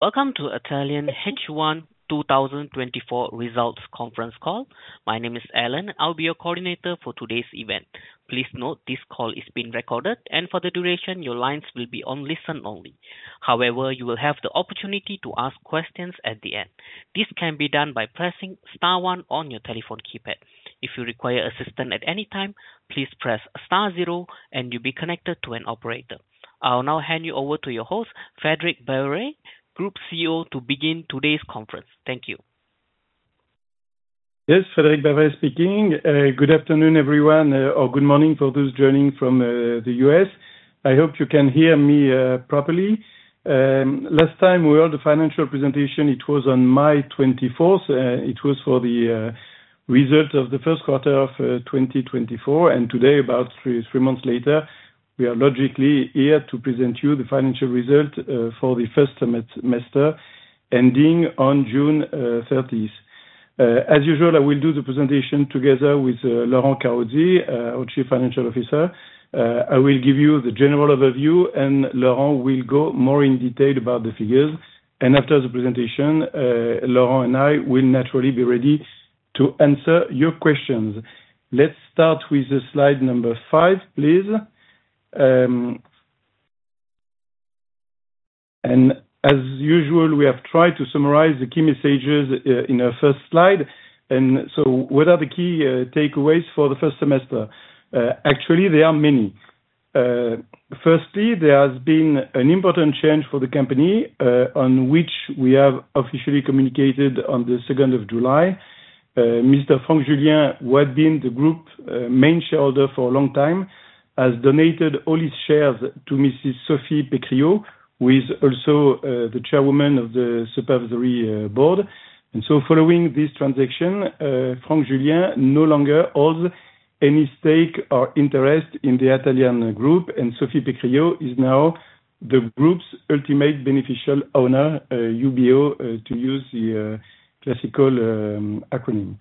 ...Welcome to Atalian H1 2024 Results conference call. My name is Alan. I'll be your coordinator for today's event. Please note this call is being recorded, and for the duration, your lines will be on listen only. However, you will have the opportunity to ask questions at the end. This can be done by pressing star one on your telephone keypad. If you require assistance at any time, please press star zero, and you'll be connected to an operator. I'll now hand you over to your host, Frédéric Baverez, Group CEO, to begin today's conference. Thank you. Yes, Frédéric Baverez speaking. Good afternoon, everyone, or good morning for those joining from the U.S.. I hope you can hear me properly. Last time we had the financial presentation, it was on 24 May. It was for the result of the Q1 of 2024, and today, about three months later, we are logically here to present you the financial result for the first semester, ending on 30 June. As usual, I will do the presentation together with Laurent Carozzi, our Chief Financial Officer. I will give you the general overview, and Laurent will go more in detail about the figures. After the presentation, Laurent and I will naturally be ready to answer your questions. Let's start with the slide number five, please. And as usual, we have tried to summarize the key messages in our first slide, and so what are the key takeaways for the first semester? Actually, there are many. Firstly, there has been an important change for the company on which we have officially communicated on 2 July. Mr. Franck Julien, who had been the group main shareholder for a long time, has donated all his shares to Mrs. Sophie Pécriaux, who is also the Chairwoman of the Supervisory Board. And so following this transaction, Franck Julien no longer holds any stake or interest in the Atalian group, and Sophie Pécriaux is now the group's ultimate beneficial owner, UBO, to use the classical acronym.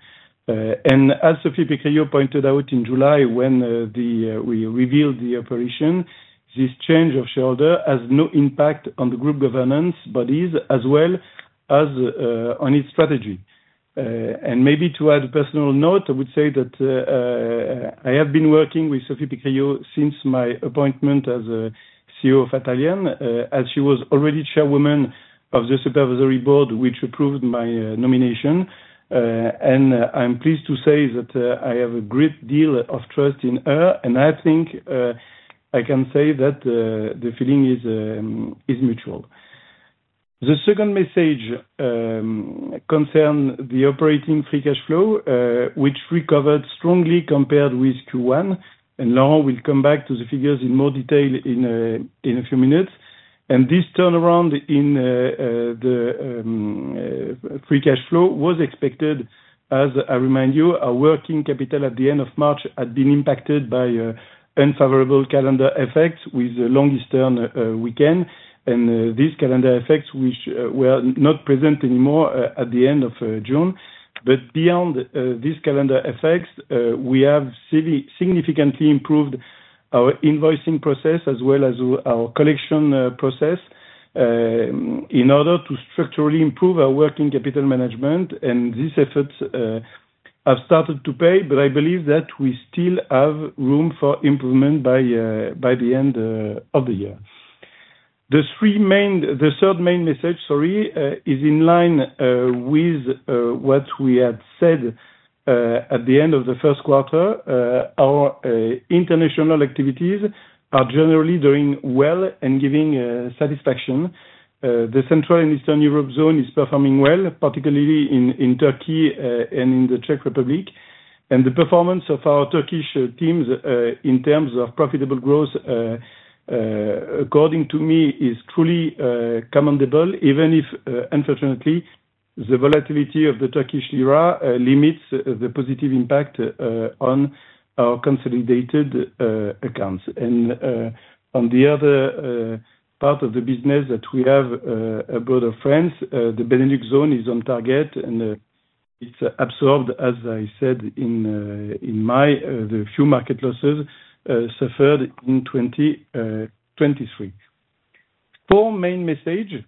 As Sophie Pécriaux pointed out in July when we revealed the operation, this change of shareholder has no impact on the group governance bodies, as well as on its strategy. Maybe to add a personal note, I would say that I have been working with Sophie Pécriaux since my appointment as CEO of Atalian, as she was already chairwoman of the supervisory board, which approved my nomination. I'm pleased to say that I have a great deal of trust in her, and I think I can say that the feeling is mutual. The second message concern the operating free cash flow, which recovered strongly compared with Q1, and Laurent will come back to the figures in more detail in a few minutes. And this turnaround in the free cash flow was expected, as I remind you, our working capital at the end of March had been impacted by unfavorable calendar effects, with the long Easter weekend, and these calendar effects which were not present anymore at the end of June. But beyond these calendar effects, we have significantly improved our invoicing process as well as our collection process in order to structurally improve our working capital management. And these efforts have started to pay, but I believe that we still have room for improvement by the end of the year. The third main message, sorry, is in line with what we had said at the end of the Q1. Our international activities are generally doing well and giving satisfaction. The Central and Eastern Europe zone is performing well, particularly in Turkey and in the Czech Republic. And the performance of our Turkish teams in terms of profitable growth, according to me, is truly commendable, even if, unfortunately, the volatility of the Turkish lira limits the positive impact on our consolidated accounts. And, on the other part of the business that we have abroad of France, the Benelux is on target, and it's absorbed, as I said, the few market losses suffered in 2023. For main message,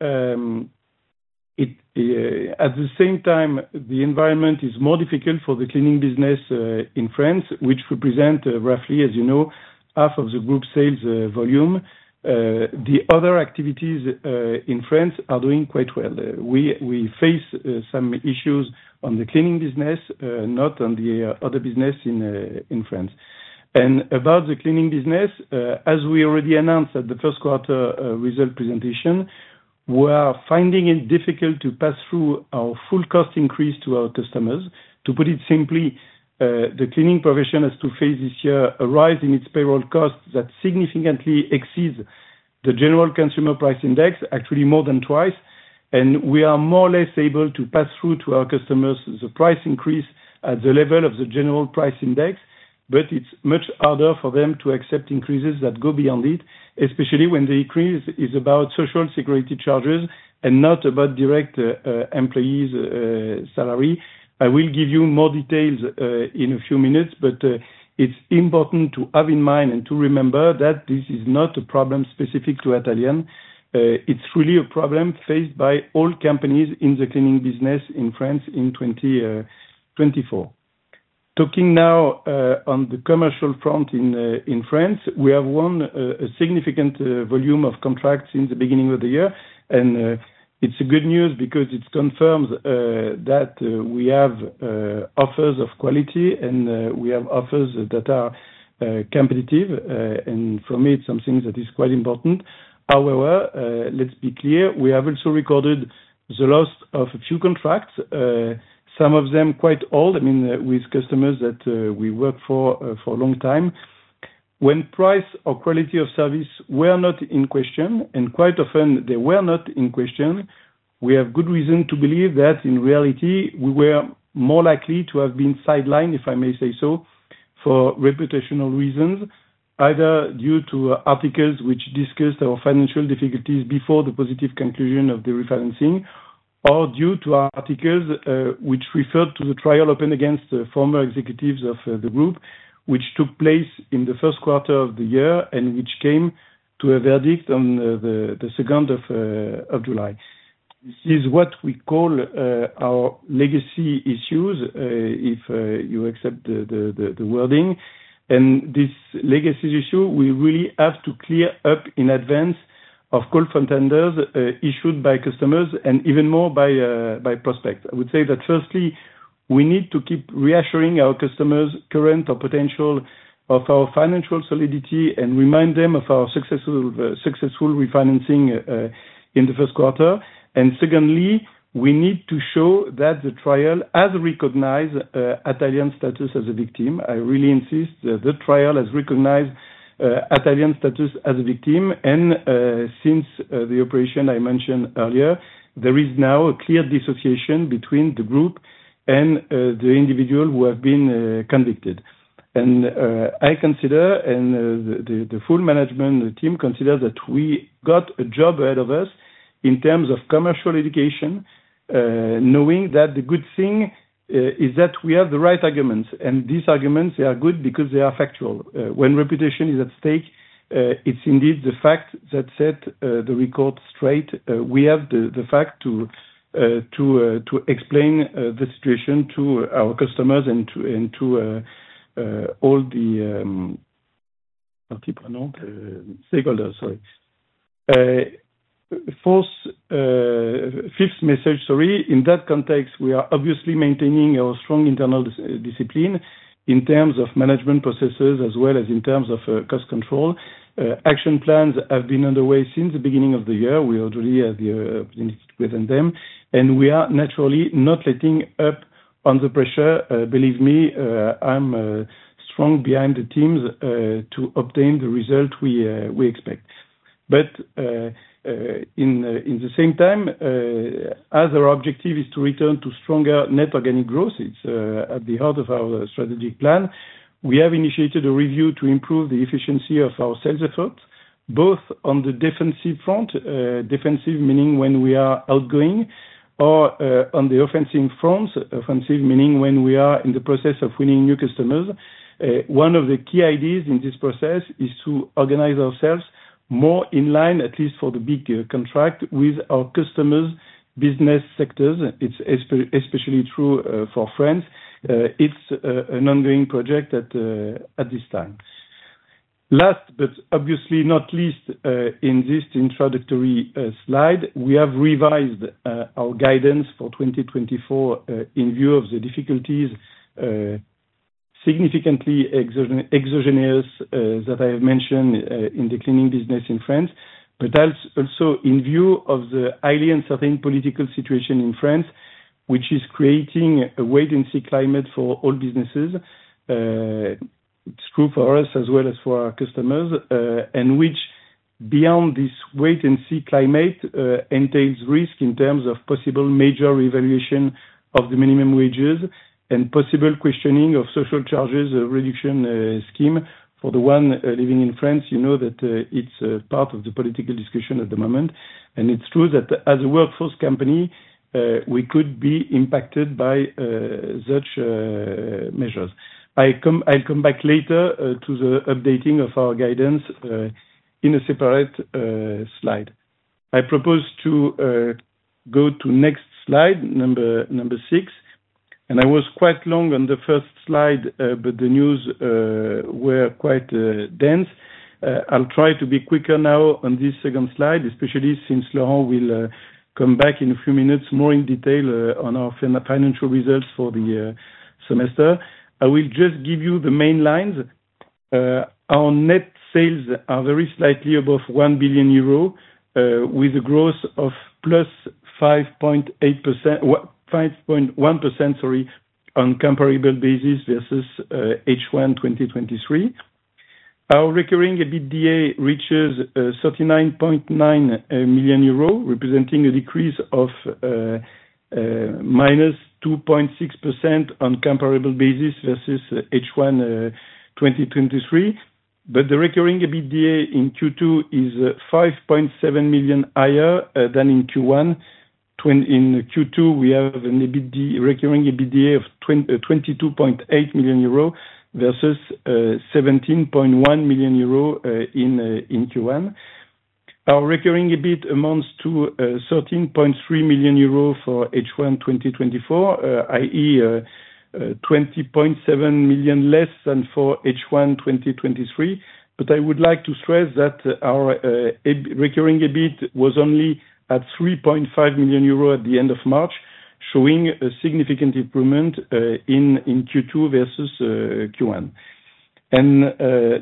it... At the same time, the environment is more difficult for the cleaning business in France, which represent roughly, as you know, half of the group sales volume. The other activities in France are doing quite well. We face some issues on the cleaning business, not on the other business in France. And about the cleaning business, as we already announced at the Q1 result presentation, we are finding it difficult to pass through our full cost increase to our customers. To put it simply, the cleaning profession has to face this year a rise in its payroll costs that significantly exceeds the general consumer price index, actually more than twice. And we are more or less able to pass through to our customers the price increase at the level of the general price index.... But it's much harder for them to accept increases that go beyond it, especially when the increase is about social security charges and not about direct employees' salary. I will give you more details in a few minutes, but it's important to have in mind and to remember that this is not a problem specific to Atalian. It's really a problem faced by all companies in the cleaning business in France in 2024. Talking now on the commercial front in France, we have won a significant volume of contracts since the beginning of the year, and it's a good news because it confirms that we have offers of quality, and we have offers that are competitive. And for me, it's something that is quite important. However, let's be clear, we have also recorded the loss of a few contracts, some of them quite old. I mean, with customers that we work for for a long time. When price or quality of service were not in question, and quite often they were not in question, we have good reason to believe that in reality, we were more likely to have been sidelined, if I may say so, for reputational reasons, either due to articles which discussed our financial difficulties before the positive conclusion of the refinancing, or due to articles which referred to the trial open against the former executives of the group, which took place in the Q1 of the year, and which came to a verdict on 2 July. This is what we call our legacy issues, if you accept the wording. And this legacy issue, we really have to clear up in advance of call for tenders issued by customers and even more by prospects. I would say that firstly, we need to keep reassuring our customers, current or potential, of our financial solidity and remind them of our successful refinancing in the Q1. And secondly, we need to show that the trial has recognized Atalian status as a victim. I really insist that the trial has recognized Atalian status as a victim, and since the operation I mentioned earlier, there is now a clear dissociation between the group and the individual who have been convicted. I consider and the full management, the team considers that we got a job ahead of us in terms of commercial education, knowing that the good thing is that we have the right arguments, and these arguments are good because they are factual. When reputation is at stake, it's indeed the facts that set the record straight. We have the facts to explain the situation to our customers and to all the stakeholders, sorry. Fifth message, sorry. In that context, we are obviously maintaining our strong internal discipline in terms of management processes, as well as in terms of cost control. Action plans have been underway since the beginning of the year. We already have initiated within them, and we are naturally not letting up on the pressure. Believe me, I'm strongly behind the teams to obtain the result we expect, but at the same time, as our objective is to return to stronger net organic growth, it's at the heart of our strategic plan. We have initiated a review to improve the efficiency of our sales effort, both on the defensive front, defensive meaning when we are outgoing, or on the offensive fronts, offensive meaning when we are in the process of winning new customers. One of the key ideas in this process is to organize ourselves more in line, at least for the big contract, with our customers' business sectors. It's especially true for France. It's an ongoing project at this time. Last, but obviously not least, in this introductory slide, we have revised our guidance for 2024 in view of the difficulties significantly exogenous that I have mentioned in the cleaning business in France, but also in view of the highly uncertain political situation in France, which is creating a wait-and-see climate for all businesses. It's true for us as well as for our customers, and which, beyond this wait-and-see climate, entails risk in terms of possible major evaluation of the minimum wages and possible questioning of social charges reduction scheme. For the one living in France, you know that it's a part of the political discussion at the moment, and it's true that as a workforce company, we could be impacted by such measures. I'll come back later to the updating of our guidance in a separate slide. I propose to go to next slide, number six, and I was quite long on the first slide, but the news were quite dense. I'll try to be quicker now on this second slide, especially since Laurent will come back in a few minutes, more in detail on our financial results for the semester. I will just give you the main lines. Our net sales are very slightly above 1 billion euro, with a growth of +5.8% five point one percent, sorry, on comparable basis versus H1 2023. Our recurring EBITDA reaches 39.9 million euros, representing a decrease of -2.6% on comparable basis versus H1 2023. But the recurring EBITDA in Q2 is 5.7 million higher than in Q1. In Q2, we have a recurring EBITDA of 22.8 million euro versus 17.1 million euro in Q1. Our recurring EBIT amounts to 13.3 million euro for H1 2024, i.e., 20.7 million less than for H1 2023. But I would like to stress that our EBIT, recurring EBIT was only at 3.5 million euros at the end of March, showing a significant improvement in Q2 versus Q1. And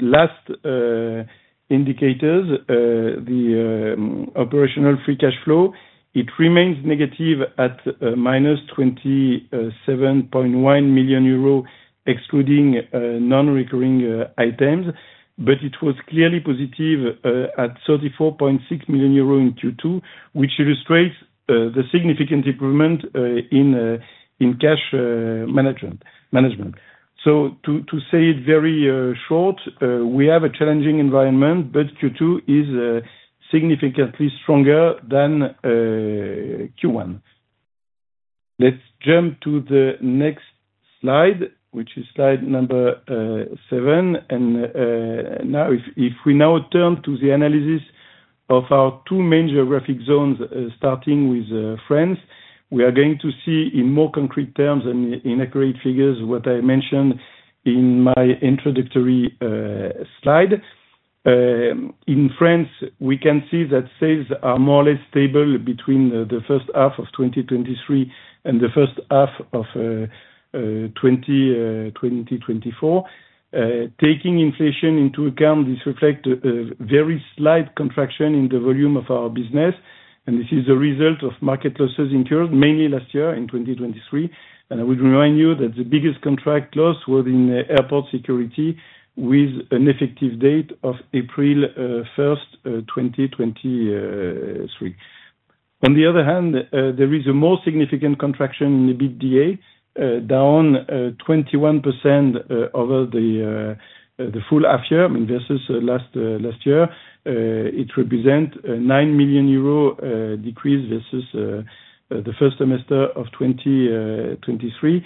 latest indicators, the operating free cash flow, it remains negative at minus 27.1 million euros, excluding non-recurring items. But it was clearly positive at 34.6 million euro in Q2, which illustrates the significant improvement in cash management. So to say it very short, we have a challenging environment, but Q2 is significantly stronger than Q1. Let's jump to the next slide, which is slide number seven. Now if we now turn to the analysis of our two main geographic zones, starting with France, we are going to see in more concrete terms and in accurate figures what I mentioned in my introductory slide. In France, we can see that sales are more or less stable between the first half of 2023 and the first half of 2024. Taking inflation into account, this reflects a very slight contraction in the volume of our business, and this is a result of market losses incurred mainly last year, in 2023. I would remind you that the biggest contract loss was in airport security, with an effective date of 1 April, 2023. On the other hand, there is a more significant contraction in the EBITDA, down 21% over the full half year, I mean, versus last year. It represent a 9 million euro decrease versus the first semester of 2023,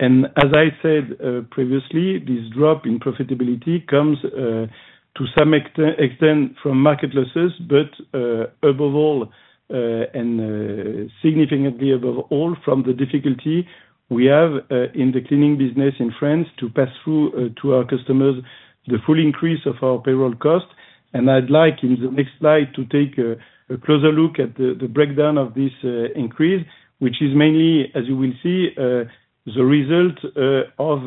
and as I said previously, this drop in profitability comes to some extent from market losses, but above all, and significantly above all, from the difficulty we have in the cleaning business in France to pass through to our customers the full increase of our payroll costs. I'd like, in the next slide, to take a closer look at the breakdown of this increase, which is mainly, as you will see, the result of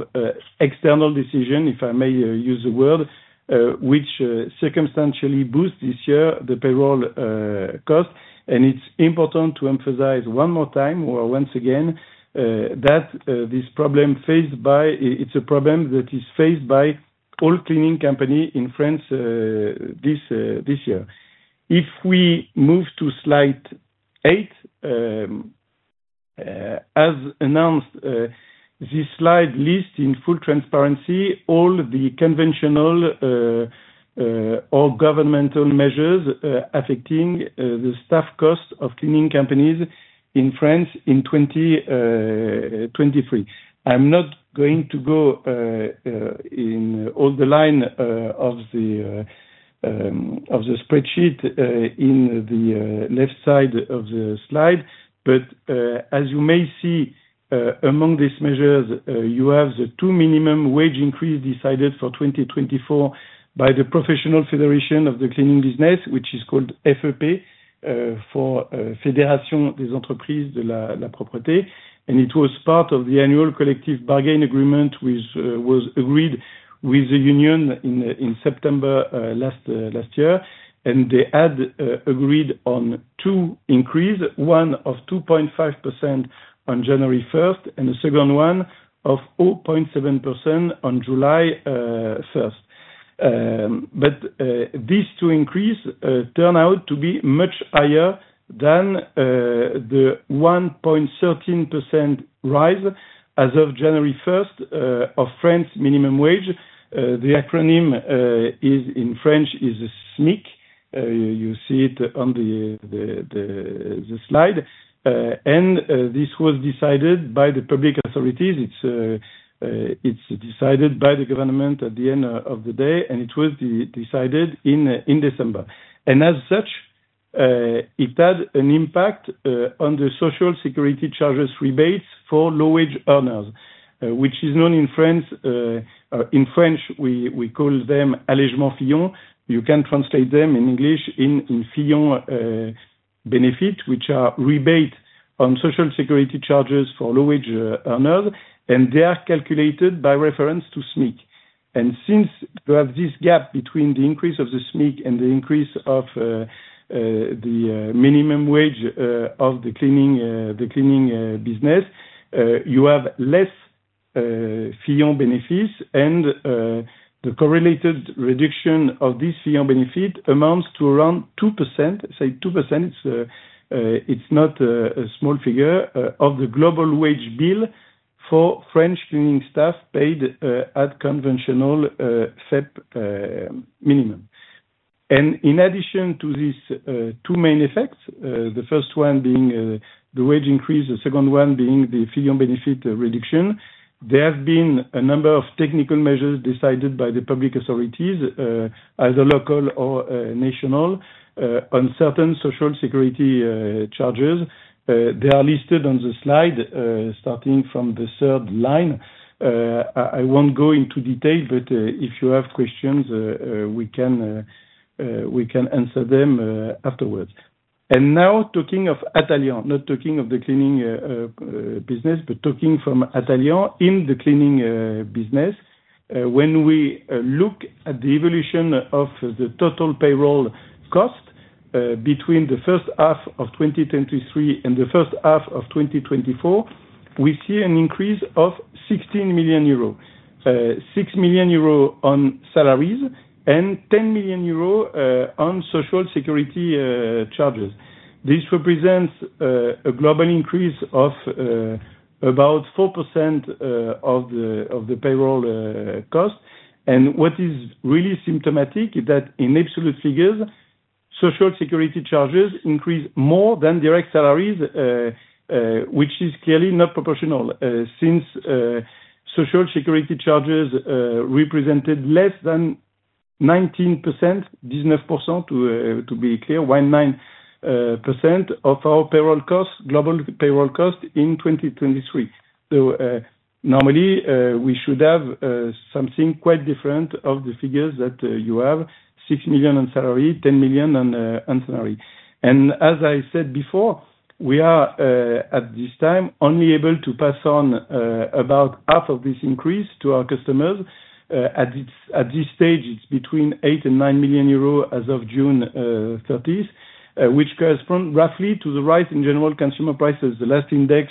external decision, if I may use the word, which circumstantially boost this year, the payroll cost. It's important to emphasize one more time or once again, that it's a problem that is faced by all cleaning company in France, this year. If we move to slide eight, as announced, this slide lists in full transparency all the conventional or governmental measures affecting the staff costs of cleaning companies in France in 2023. I'm not going to go in all the line of the spreadsheet in the left side of the slide. But as you may see, among these measures, you have the two minimum wage increase decided for 2024 by the Professional Federation of the Cleaning Business, which is called FEP, for Fédération des entreprises de la propreté. They had agreed on two increase, one of 2.5% on 1 January, and the second one of 0.7% on 1 July. But these two increases turn out to be much higher than the 1.13% rise as of 1 January of the French minimum wage. The acronym, in French, is SMIC. You see it on the slide. This was decided by the public authorities. It's decided by the government at the end of the day, and it was decided in December. As such, it had an impact on the Social Security charges rebates for low-wage earners, which is known in France. In French we call them Allocation Fillon. You can translate them in English, in Fillon benefit, which are rebate on Social Security charges for low-wage earners, and they are calculated by reference to SMIC. Since you have this gap between the increase of the SMIC and the increase of the minimum wage of the cleaning business, you have Fillon benefits and the correlated reduction of this Fillon benefit amounts to around 2%, say 2%. It's not a small figure of the global wage bill for French cleaning staff paid at conventional FEP minimum. In addition to these two main effects, the first one being the wage increase, the second one being the Fillon benefit reduction, there have been a number of technical measures decided by the public authorities, either local or national, on certain Social Security charges. They are listed on the slide starting from the third line. I won't go into detail, but if you have questions, we can answer them afterwards. Now, talking of Atalian, not talking of the cleaning business, but talking from Atalian in the cleaning business. When we look at the evolution of the total payroll cost between the first half of 2023 and the first half of 2024, we see an increase of 16 million euros. 6 million euros on salaries, and 10 million euros on Social Security charges. This represents a global increase of about 4% of the payroll cost. And what is really symptomatic is that in absolute figures, Social Security charges increase more than direct salaries, which is clearly not proportional, since Social Security charges represented less than 19%, to be clear, 19% of our payroll cost - global payroll cost in 2023. So, normally, we should have something quite different of the figures that you have, 6 million on salary, 10 million on salary. And as I said before, we are at this time only able to pass on about half of this increase to our customers. And at this stage, it's between 8-9 million euro as of 30 June, which corresponds roughly to the rise in general consumer prices. The last index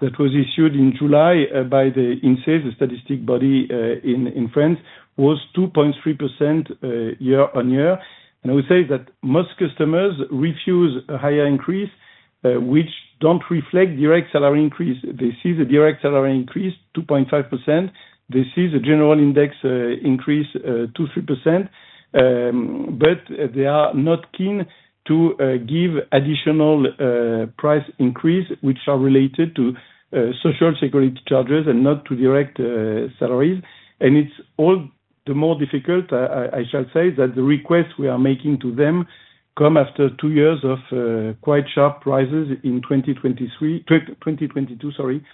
that was issued in July by the INSEE, the statistics body, in France, was 2.3% year on year. I would say that most customers refuse a higher increase which don't reflect direct salary increase. They see the direct salary increase, 2.5%, they see the general index increase 2-3%, but they are not keen to give additional price increase which are related to Social Security charges and not to direct salaries. It's all the more difficult, I shall say, that the requests we are making to them come after two years of quite sharp rises in 2023, 2022, sorry,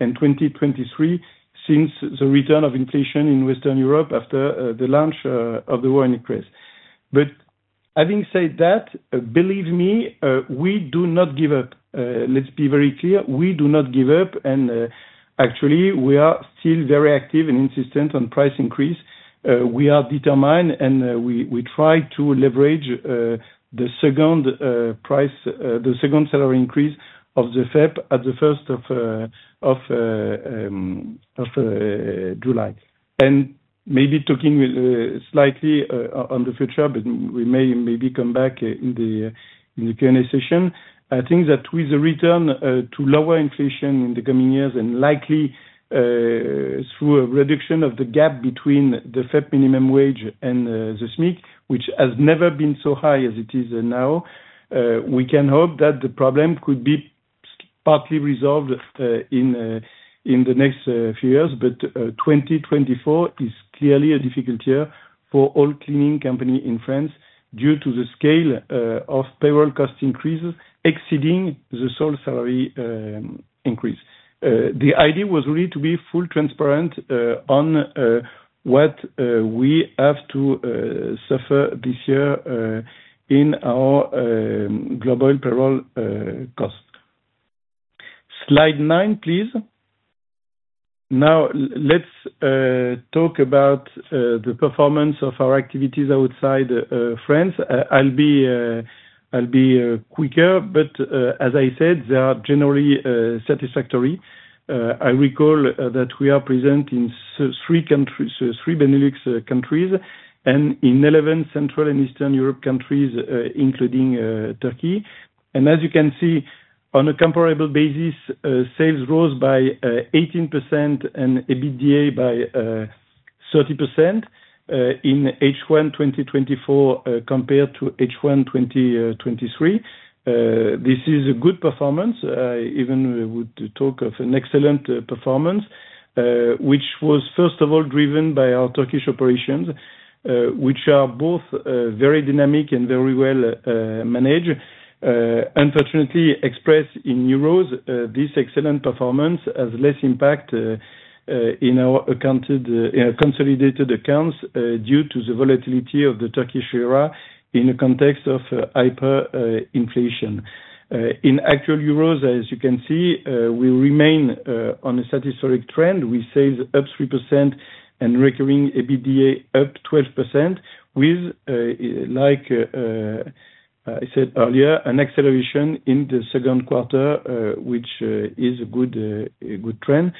and 2023, since the return of inflation in Western Europe after the launch of the war in Ukraine. But having said that, believe me, we do not give up. Let's be very clear, we do not give up, and actually, we are still very active and insistent on price increase. We are determined, and we try to leverage the second price, the second salary increase of the FEP at the 1 July. And maybe talking slightly on the future, but we may come back in the Q&A session. I think that with the return to lower inflation in the coming years, and likely through a reduction of the gap between the FEP minimum wage and the SMIC, which has never been so high as it is now, we can hope that the problem could be partly resolved in the next few years. But 2024 is clearly a difficult year for all cleaning company in France due to the scale of payroll cost increases exceeding the sole salary increase. The idea was really to be full transparent on what we have to suffer this year in our global payroll cost. Slide nine, please. Now let's talk about the performance of our activities outside France. I'll be quicker, but as I said, they are generally satisfactory. I recall that we are present in three countries, three Benelux countries, and in eleven Central and Eastern Europe countries, including Turkey. As you can see, on a comparable basis, sales rose by 18% and EBITDA by 30% in H1 2024 compared to H1 2023. This is a good performance, even we would talk of an excellent performance, which was, first of all, driven by our Turkish operations, which are both very dynamic and very well managed. Unfortunately, expressed in euros, this excellent performance has less impact in our accounted consolidated accounts due to the volatility of the Turkish lira in the context of hyperinflation. In actual euros, as you can see, we remain on a satisfactory trend. We save up 3% and recurring EBITDA up 12% with, like, I said earlier, an acceleration in the Q2 which is a good trend,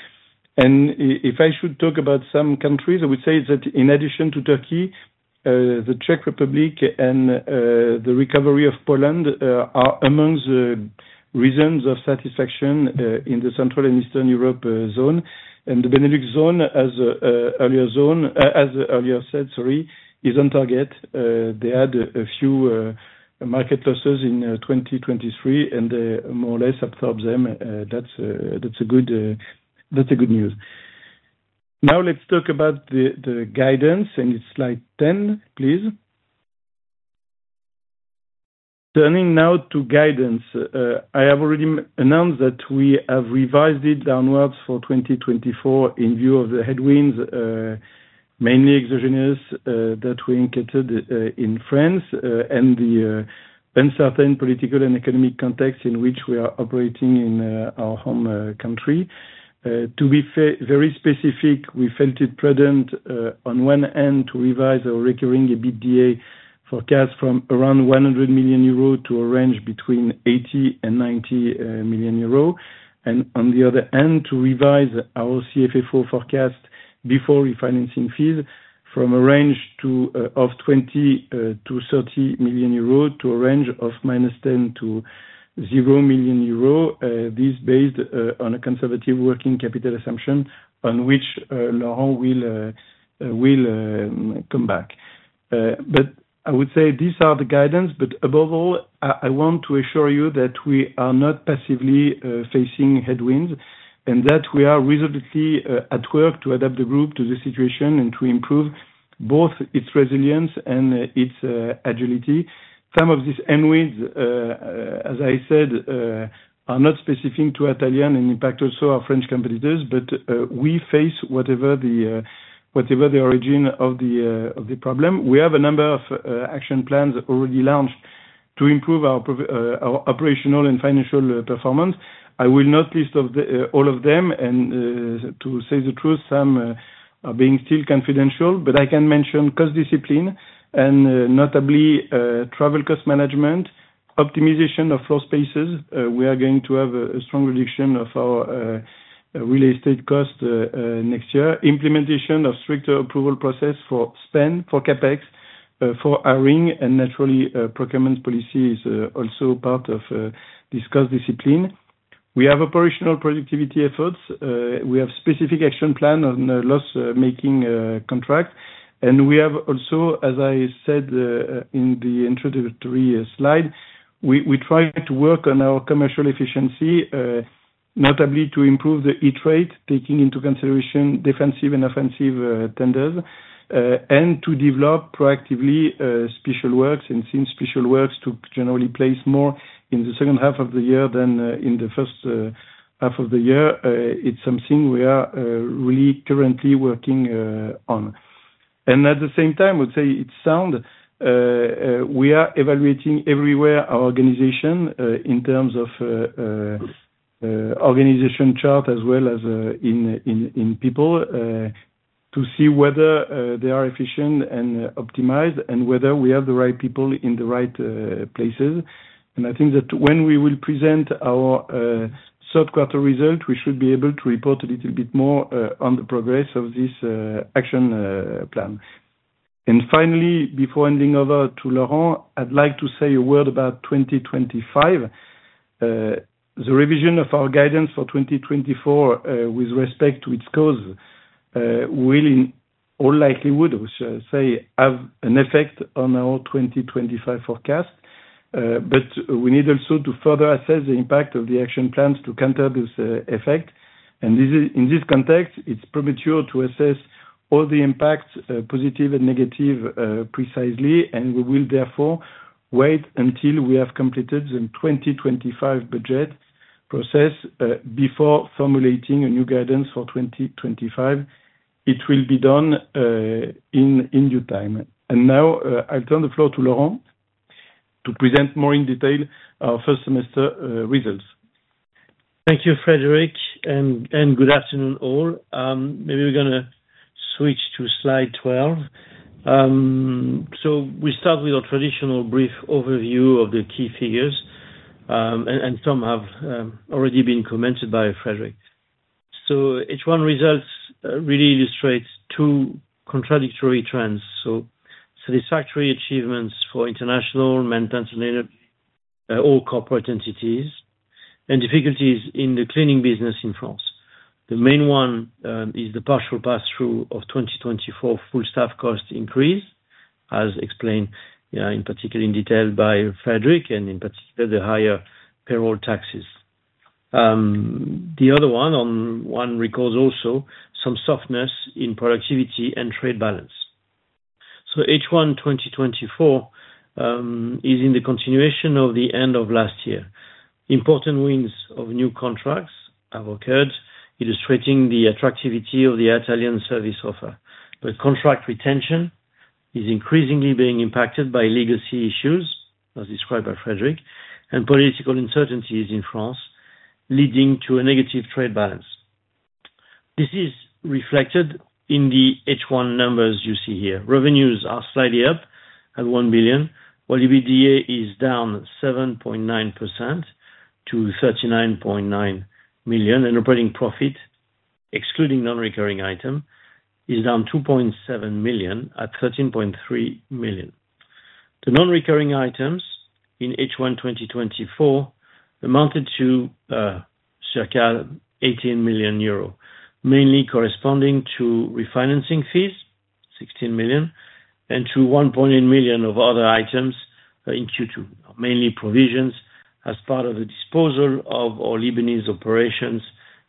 and if I should talk about some countries, I would say that in addition to Turkey, the Czech Republic and the recovery of Poland are among the reasons of satisfaction in the Central and Eastern Europe zone, and the Benelux zone, as earlier said, sorry, is on target. They had a few market losses in 2023, and more or less absorbed them. That's good news. Now let's talk about the guidance, and it's slide 10, please. Turning now to guidance, I have already announced that we have revised it downwards for 2024 in view of the headwinds, mainly exogenous, that we encountered in France, and the uncertain political and economic context in which we are operating in our home country. To be very specific, we felt it prudent, on one hand to revise our recurring EBITDA forecast from around 100 million euro to a range between 80 million and 90 million euro. On the other hand, to revise our CFFO forecast before refinancing fees from a range of 20-30 million euro to a range of 10 to 0 million. This based on a conservative Working Capital assumption on which Laurent will come back. But I would say these are the guidance, but above all, I want to assure you that we are not passively facing headwinds, and that we are reasonably at work to adapt the group to the situation and to improve both its resilience and its agility. Some of these headwinds, as I said, are not specific to Atalian and impact also our French competitors. But we face whatever the origin of the problem. We have a number of action plans already launched to improve our operational and financial performance. I will not list all of them, and to say the truth, some are being still confidential. I can mention cost discipline and notably travel cost management, optimization of floor spaces. We are going to have a strong reduction of our real estate cost next year. Implementation of stricter approval process for spend, for CapEx, for hiring, and naturally procurement policy is also part of cost discipline. We have operational productivity efforts. We have specific action plan on loss-making contract. And we have also, as I said, in the introductory slide, we try to work on our commercial efficiency, notably to improve the hit rate, taking into consideration defensive and offensive tenders. And to develop proactively special works, and since special works too generally place more in the second half of the year than in the first half of the year. It's something we are really currently working on. And at the same time, I would say it's sound. We are evaluating everywhere our organization in terms of organization chart as well as in people to see whether they are efficient and optimized, and whether we have the right people in the right places. I think that when we will present our Q3 results, we should be able to report a little bit more on the progress of this action plan. Finally, before handing over to Laurent, I'd like to say a word about 2025. The revision of our guidance for 2024, with respect to its cause, will in all likelihood, we should say, have an effect on our 2025 forecast. But we need also to further assess the impact of the action plans to counter this effect. This is... in this context, it's premature to assess all the impacts, positive and negative, precisely, and we will therefore wait until we have completed the 2025 budget process, before formulating a new guidance for 2025. It will be done in due time. And now, I'll turn the floor to Laurent, to present more in detail our first semester results. Thank you, Frédéric, and good afternoon all. Maybe we're gonna switch to slide 12. We start with our traditional brief overview of the key figures. Some have already been commented by Frédéric. H1 results really illustrates two contradictory trends, so satisfactory achievements for international maintenance and all corporate entities, and difficulties in the cleaning business in France. The main one is the partial pass-through of 2024 full staff cost increase, as explained in particular, in detail by Frédéric, and in particular, the higher payroll taxes. The other one records also some softness in productivity and trade balance. H1 2024 is in the continuation of the end of last year. Important wins of new contracts have occurred, illustrating the attractivity of the Atalian service offer, but contract retention-... is increasingly being impacted by legacy issues, as described by Frédéric, and political uncertainties in France, leading to a negative trade balance. This is reflected in the H1 numbers you see here. Revenues are slightly up at 1 billion, while EBITDA is down 7.9% to 39.9 million, and operating profit, excluding non-recurring item, is down 2.7 million at 13.3 million. The non-recurring items in H1, 2024, amounted to, circa 18 million euro, mainly corresponding to refinancing fees, 16 million, and to 1.8 million of other items in Q2, mainly provisions as part of the disposal of our Lebanese operations,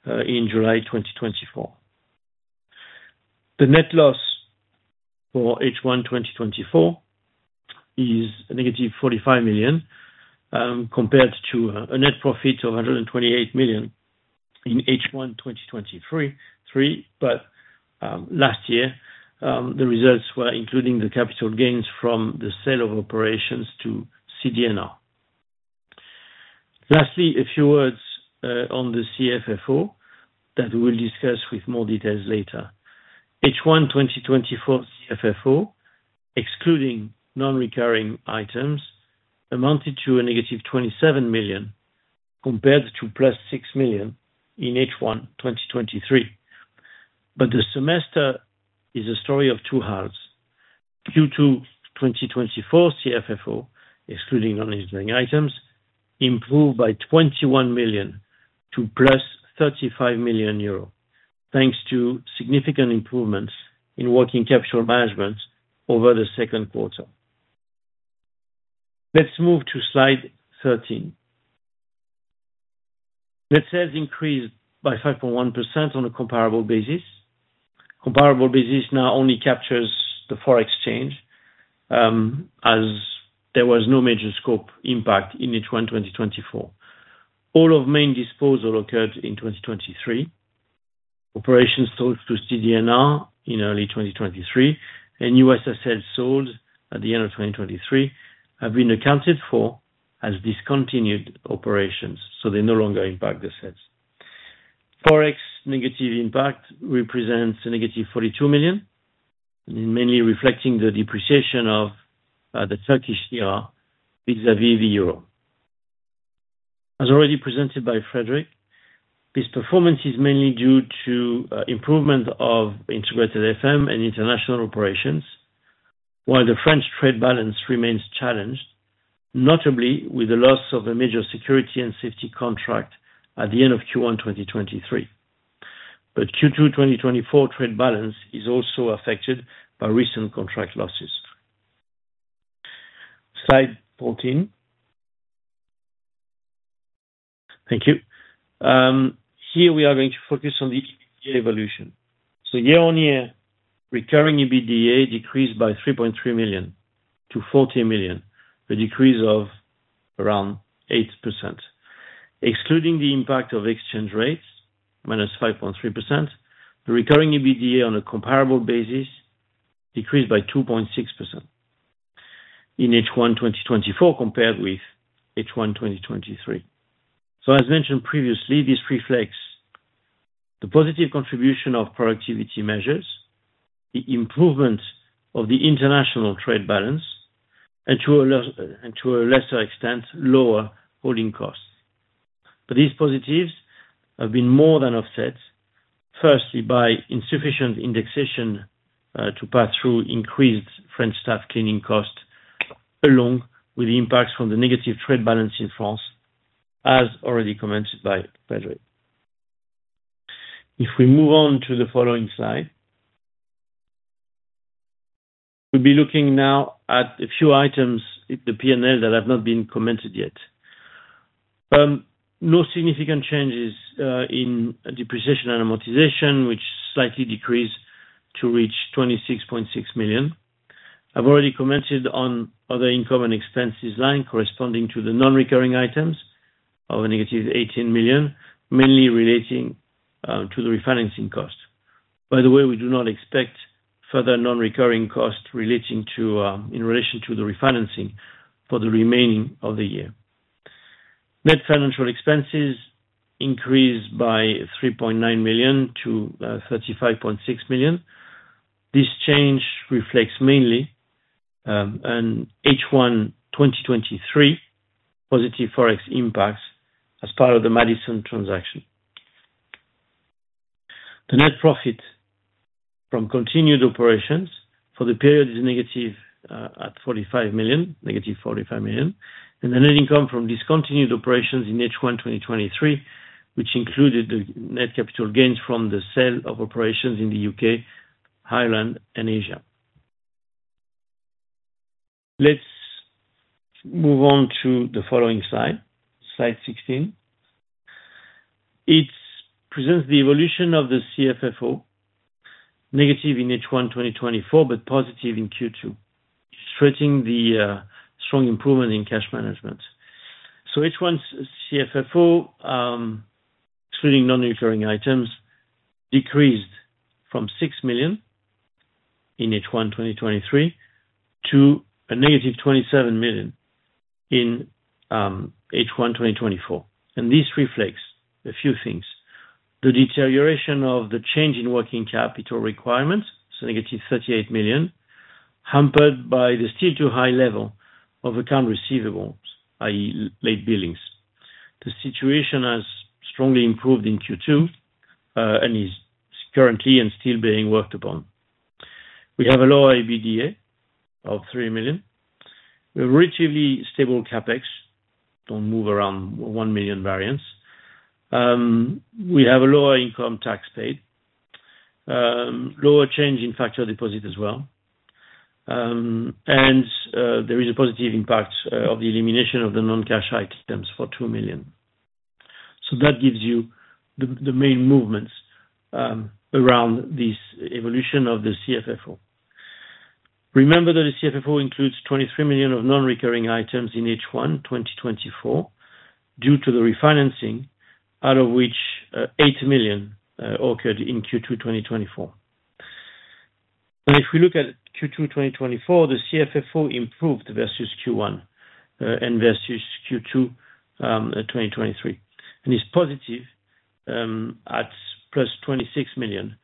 in July 2024. The net loss for H1, 2024, is a negative 45 million, compared to a net profit of 128 million in H1, 2023. But last year, the results were including the capital gains from the sale of operations to CD&R. Lastly, a few words on the CFFO, that we'll discuss with more details later. H1 2024 CFFO, excluding non-recurring items, amounted to -27 million, compared to +6 million in H1 2023. But the semester is a story of two halves. Q2 2024 CFFO, excluding non-recurring items, improved by 21 million to +35 million euro, thanks to significant improvements in working capital management over the Q2. Let's move to slide 13. Net sales increased by 5.1% on a comparable basis. Comparable basis now only captures the foreign exchange, as there was no major scope impact in H1 2024. All of main disposal occurred in 2023. Operations sold to CD&R in early 2023, and U.S. assets sold at the end of 2023, have been accounted for as discontinued operations, so they no longer impact the sales. Forex negative impact represents a negative 42 million, mainly reflecting the depreciation of the Turkish lira vis-a-vis the euro. As already presented by Frédéric, this performance is mainly due to improvement of integrated FM and international operations, while the French trade balance remains challenged, notably with the loss of a major security and safety contract at the end of Q1, 2023. But Q2, 2024 trade balance is also affected by recent contract losses. Slide 14. Thank you. Here we are going to focus on the EBITDA evolution. So year-on-year, recurring EBITDA decreased by 3.3 million to 40 million, a decrease of around 8%. Excluding the impact of exchange rates, minus 5.3%, the recurring EBITDA on a comparable basis decreased by 2.6% in H1 2024, compared with H1 2023. So as mentioned previously, this reflects the positive contribution of productivity measures, the improvement of the international trade balance, and to a lesser extent, lower holding costs. But these positives have been more than offset, firstly, by insufficient indexation to pass through increased French staff cleaning costs, along with the impacts from the negative trade balance in France, as already commented by Frédéric. If we move on to the following slide, we'll be looking now at a few items in the P&L that have not been commented yet. No significant changes in depreciation and amortization, which slightly decreased to reach 26.6 million. I've already commented on other income and expenses line corresponding to the non-recurring items of negative 18 million, mainly relating to the refinancing costs. By the way, we do not expect further non-recurring costs relating to in relation to the refinancing for the remaining of the year. Net financial expenses increased by 3.9 million to 35.6 million. This change reflects mainly an H1 2023 positive Forex impacts as part of the Madison transaction. The net profit from continued operations for the period is negative at 45 million, negative 45 million, and the net income from discontinued operations in H1 2023, which included the net capital gains from the sale of operations in the UK, Ireland, and Asia. Let's move on to the following slide, slide 16. It presents the evolution of the CFFO, negative in H1 2024, but positive in Q2, reflecting the strong improvement in cash management. H1's CFFO, excluding non-recurring items, decreased from 6 million in H1 2023 to a negative 27 million in H1 2024. And this reflects a few things. The deterioration of the change in working capital requirements, so negative 38 million, hampered by the still too high level of account receivables, i.e., late billings. The situation has strongly improved in Q2, and is currently and still being worked upon. We have a lower EBITDA of 3 million. We have relatively stable CapEx, don't move around 1 million variance. We have a lower income tax paid, lower change in factor deposit as well. And there is a positive impact of the elimination of the non-cash items for 2 million. That gives you the main movements around this evolution of the CFFO. Remember that the CFFO includes 23 million of non-recurring items in H1 2024, due to the refinancing, out of which eight million occurred in Q2 2024. And if we look at Q2 2024, the CFFO improved versus Q1 and versus Q2 2023, and is positive at +26 million.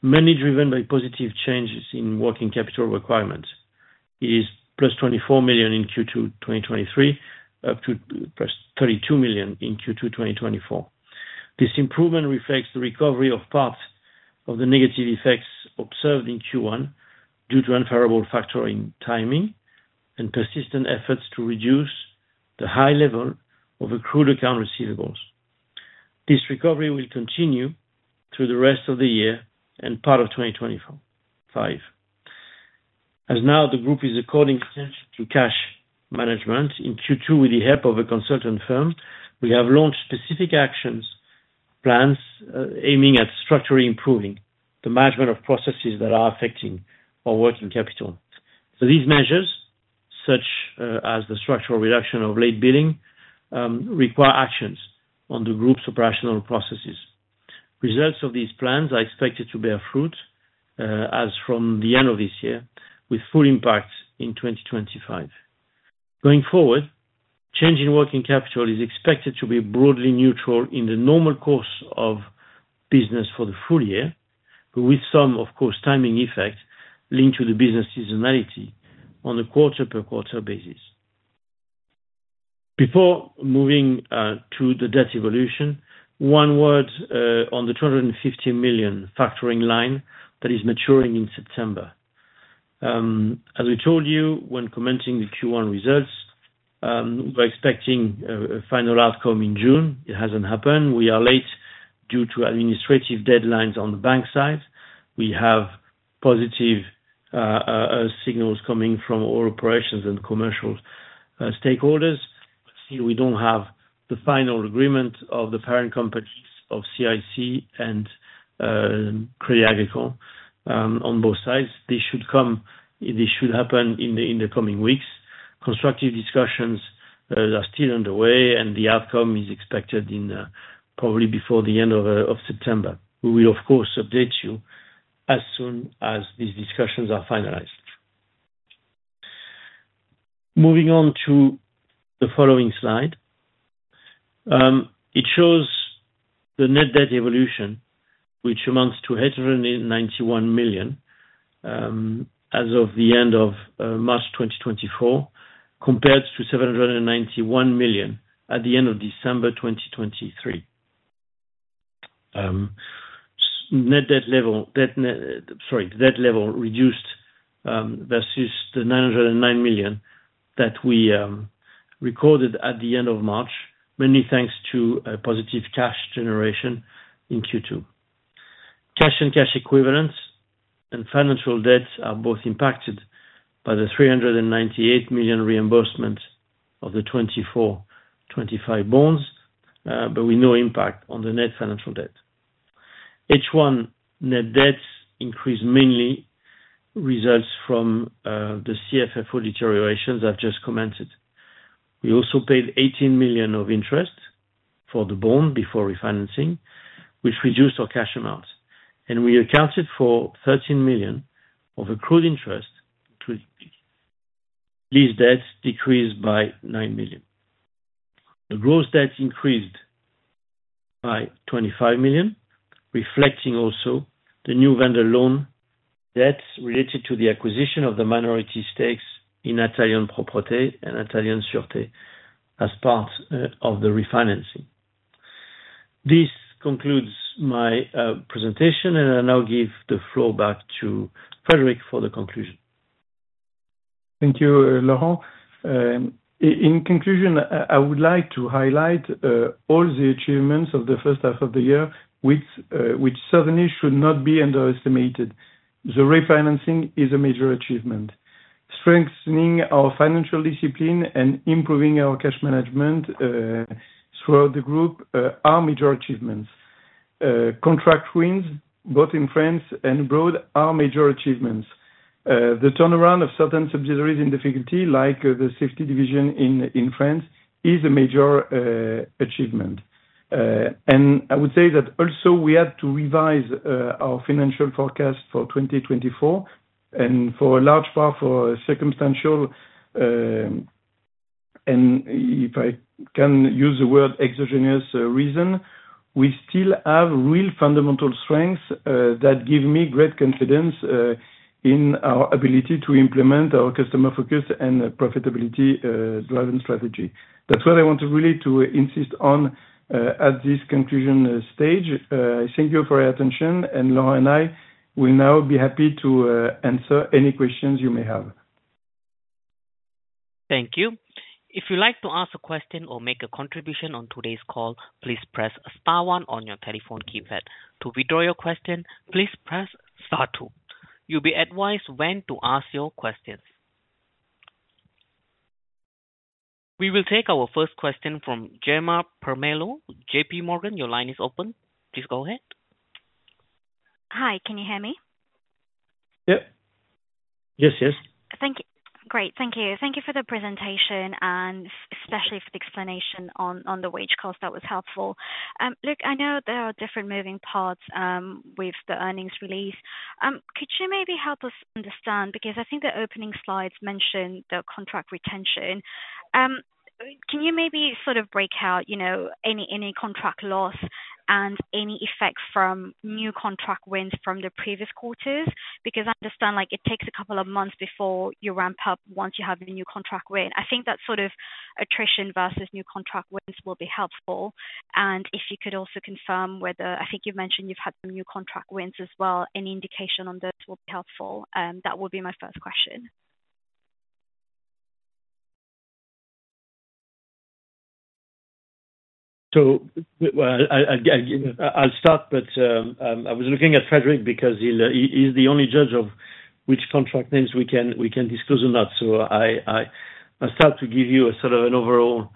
Mainly driven by positive changes in working capital requirements, is +24 million in Q2 2023, up to +32 million in Q2 2024. This improvement reflects the recovery of parts of the negative effects observed in Q1, due to unfavorable factoring timing, and persistent efforts to reduce the high level of accrued accounts receivable. This recovery will continue through the rest of the year and part of 2025. And now, the group is paying attention to cash management. In Q2, with the help of a consultant firm, we have launched specific actions, plans, aiming at structurally improving the management of processes that are affecting our working capital. So these measures, such as the structural reduction of late billing, require actions on the group's operational processes. Results of these plans are expected to bear fruit as from the end of this year, with full impact in 2025. Going forward, change in working capital is expected to be broadly neutral in the normal course of business for the full year, but with some, of course, timing effect, linked to the business seasonality on a quarter-per-quarter basis. Before moving to the debt evolution, one word on the 250 million factoring line that is maturing in September. As we told you when commenting the Q1 results, we're expecting a final outcome in June. It hasn't happened. We are late due to administrative deadlines on the bank side. We have positive signals coming from all operations and commercial stakeholders. But still, we don't have the final agreement of the parent companies of CIC and Crédit Agricole on both sides. This should happen in the coming weeks. Constructive discussions are still underway, and the outcome is expected in probably before the end of September. We will, of course, update you as soon as these discussions are finalized. Moving on to the following slide. It shows the net debt evolution, which amounts to 891 million as of the end of March 2024, compared to 791 million at the end of December 2023. So net debt level, debt net, sorry, debt level reduced versus the 909 million that we recorded at the end of March, many thanks to a positive cash generation in Q2. Cash and cash equivalents and financial debts are both impacted by the 398 million reimbursement of the 2022-2025 bonds, but with no impact on the net financial debt. H1 net debts increase mainly results from the CFFO deteriorations I've just commented. We also paid 18 million of interest for the bond before refinancing, which reduced our cash amounts. We accounted for 13 million of accrued interest to these debts, decreased by 9 million. The gross debt increased by 25 million, reflecting also the new vendor loan debts related to the acquisition of the minority stakes in Atalian Propreté and Atalian Sûreté, as part of the refinancing. This concludes my presentation, and I now give the floor back to Frédéric for the conclusion. Thank you, Laurent. In conclusion, I would like to highlight all the achievements of the first half of the year, which certainly should not be underestimated. The refinancing is a major achievement. Strengthening our financial discipline and improving our cash management throughout the group are major achievements.... contract wins, both in France and abroad, are major achievements. The turnaround of certain subsidiaries in difficulty, like the safety division in France, is a major achievement, and I would say that also we had to revise our financial forecast for 2024, and for a large part, for circumstantial, and if I can use the word exogenous reason, we still have real fundamental strengths that give me great confidence in our ability to implement our customer focus and profitability driven strategy. That's what I want to really insist on at this conclusion stage. Thank you for your attention, and Laurent and I will now be happy to answer any questions you may have. Thank you. If you'd like to ask a question or make a contribution on today's call, please press star one on your telephone keypad. To withdraw your question, please press star two. You'll be advised when to ask your questions. We will take our first question from Gemma Permal, J.P. Morgan, your line is open, please go ahead. Hi, can you hear me? Yep. Yes, yes. Thank you. Great, thank you. Thank you for the presentation, and especially for the explanation on the wage cost, that was helpful. Look, I know there are different moving parts with the earnings release. Could you maybe help us understand, because I think the opening slides mention the contract retention. Can you maybe sort of break out, you know, any contract loss and any effect from new contract wins from the previous quarters? Because I understand, like, it takes a couple of months before you ramp up, once you have the new contract win. I think that sort of attrition versus new contract wins will be helpful, and if you could also confirm whether, I think you've mentioned you've had some new contract wins as well, any indication on those will be helpful. That would be my first question. I'll start, but I was looking at Frédéric, because he's the only judge of which contract names we can discuss or not. I start to give you a sort of an overall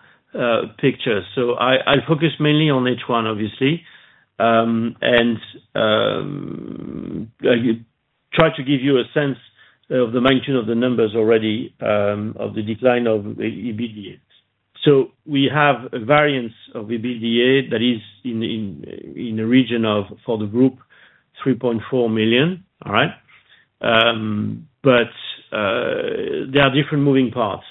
picture. I focus mainly on H1, obviously. I try to give you a sense of the magnitude of the numbers already of the decline of EBITDA. We have a variance of EBITDA that is in the region of, for the group, 3.4 million. All right? There are different moving parts.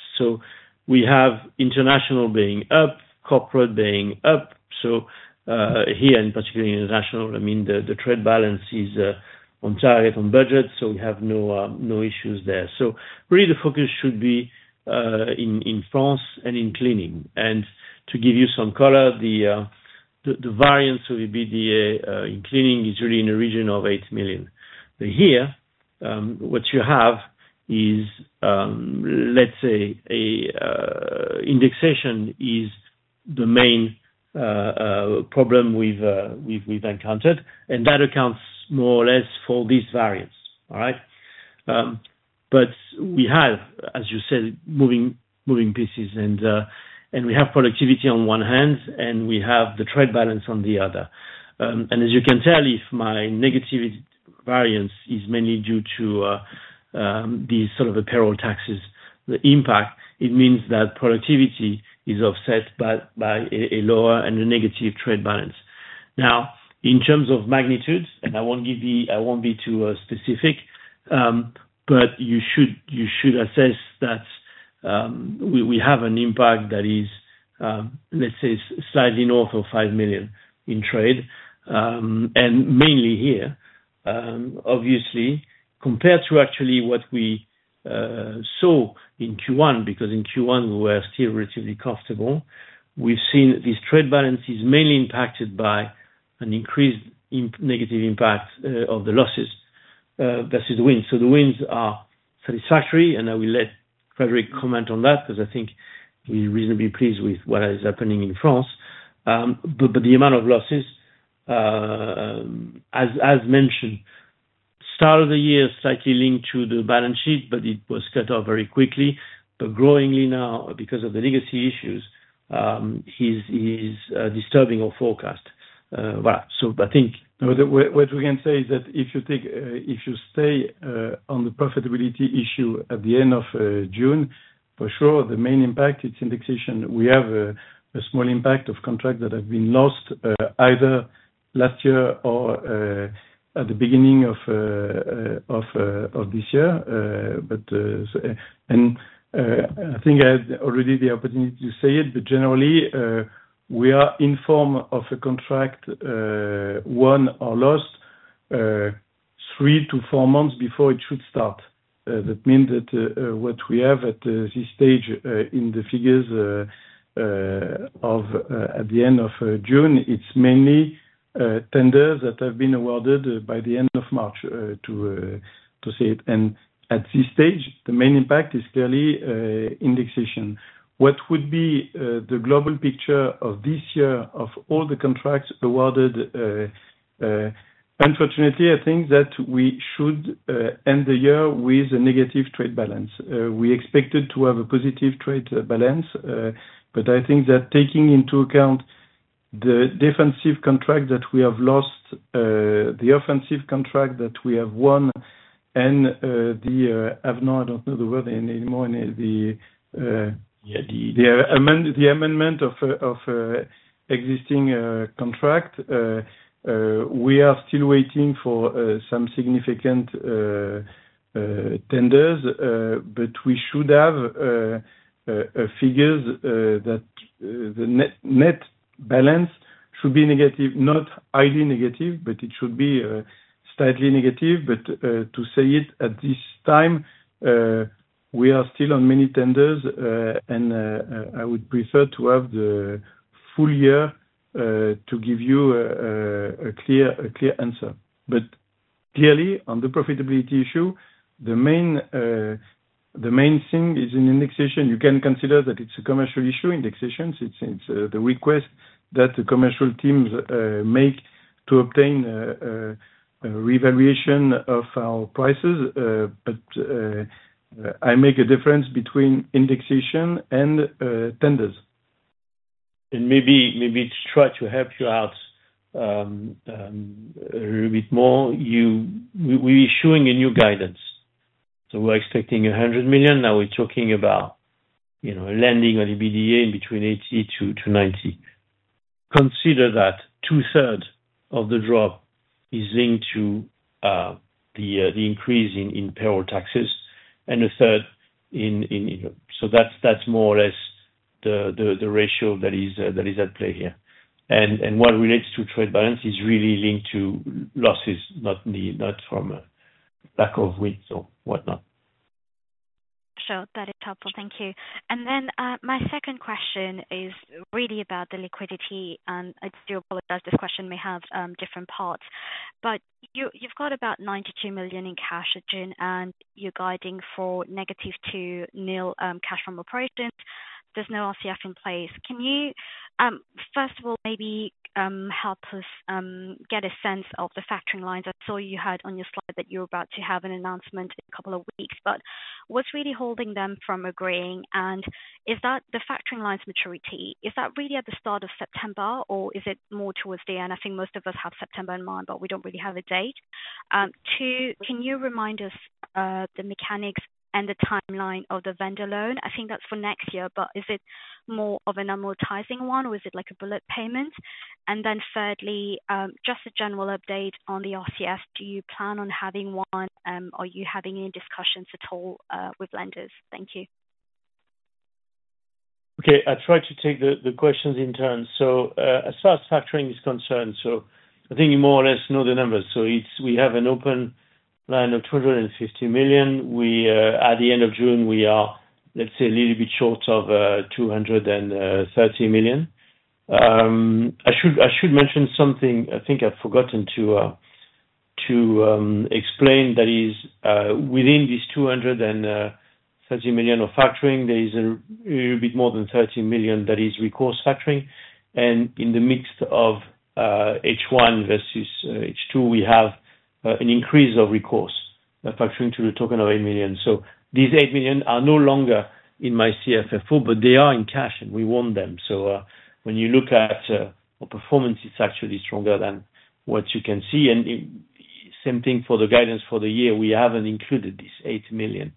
We have international being up, corporate being up, so here, and particularly international, I mean, the trade balance is on target, on budget, so we have no issues there. So really the focus should be in France and in cleaning. And to give you some color, the variance of EBITDA in cleaning is really in the region of 8 million. But here what you have is let's say indexation is the main problem we've encountered, and that accounts more or less for this variance. All right? But we have, as you said, moving pieces, and we have productivity on one hand, and we have the trade balance on the other. And as you can tell, if my negative variance is mainly due to the sort of the payroll taxes, the impact, it means that productivity is offset by a lower and a negative trade balance. Now, in terms of magnitudes, and I won't give the I won't be too specific, but you should, you should assess that, we, we have an impact that is, let's say, slightly north of 5 million in trade. And mainly here, obviously, compared to actually what we saw in Q1, because in Q1, we were still relatively comfortable. We've seen these trade balances mainly impacted by an increased negative impact of the losses versus wins. So the wins are satisfactory, and I will let Frédéric comment on that, 'cause I think we're reasonably pleased with what is happening in France. But the amount of losses, as mentioned, start of the year, slightly linked to the balance sheet, but it was cut off very quickly. But growingly now, because of the legacy issues, is disturbing our forecast. Well, what we can say is that if you stay on the profitability issue at the end of June, for sure, the main impact, it's indexation. We have a small impact of contract that have been lost, either last year or at the beginning of this year. But and I think I had already the opportunity to say it, but generally, we are informed of a contract won or lost, three to four months before it should start. That means that what we have at this stage in the figures of at the end of June, it's mainly tenders that have been awarded by the end of March to see it. And at this stage, the main impact is clearly indexation. What would be the global picture of this year of all the contracts awarded, unfortunately, I think that we should end the year with a negative trade balance. We expected to have a positive trade balance, but I think that taking into account the defensive contract that we have lost, the offensive contract that we have won, and the amendment of existing contract. We are still waiting for some significant tenders, but we should have figures that the net balance should be negative, not highly negative, but it should be slightly negative. To say it at this time, we are still on many tenders, and I would prefer to have the full year to give you a clear answer, but clearly, on the profitability issue, the main thing is in indexation. You can consider that it's a commercial issue, indexations, it's the request that the commercial teams make to obtain a revaluation of our prices, but I make a difference between indexation and tenders. And maybe, maybe to try to help you out, a little bit more, we're issuing a new guidance. So we're expecting 100 million, now we're talking about, you know, landing on EBITDA between 80 to 90. Consider that two-thirds of the drop is linked to the increase in payroll taxes and a third in Europe. So that's more or less the ratio that is at play here. And what relates to trade balance is really linked to losses, not from lack of wins or whatnot. Sure. That is helpful. Thank you. And then, my second question is really about the liquidity, and I do apologize, this question may have different parts. But you- you've got about 92 million in cash in June, and you're guiding for negative to nil, cash from operations. There's no RCF in place. Can you, first of all, maybe, help us get a sense of the factoring lines? I saw you had on your slide that you're about to have an announcement in a couple of weeks. But what's really holding them from agreeing? And is that the factoring lines maturity, is that really at the start of September, or is it more towards the end? I think most of us have September in mind, but we don't really have a date. Two, can you remind us the mechanics and the timeline of the vendor loan? I think that's for next year, but is it more of an amortizing one, or is it like a bullet payment? And then thirdly, just a general update on the RCF. Do you plan on having one? Are you having any discussions at all with lenders? Thank you. Okay, I'll try to take the questions in turn. So, as far as factoring is concerned, so I think you more or less know the numbers. So it's, we have an open line of 250 million. We, at the end of June, we are, let's say a little bit short of 230 million. I should mention something I think I've forgotten to explain, that is, within this 230 million of factoring, there is a little bit more than 30 million that is recourse factoring. And in the midst of H1 versus H2, we have an increase of recourse factoring to the tune of 8 million. So these 8 million are no longer in my CFFO, but they are in cash, and we want them. So when you look at our performance, it's actually stronger than what you can see. And same thing for the guidance for the year, we haven't included this 8 million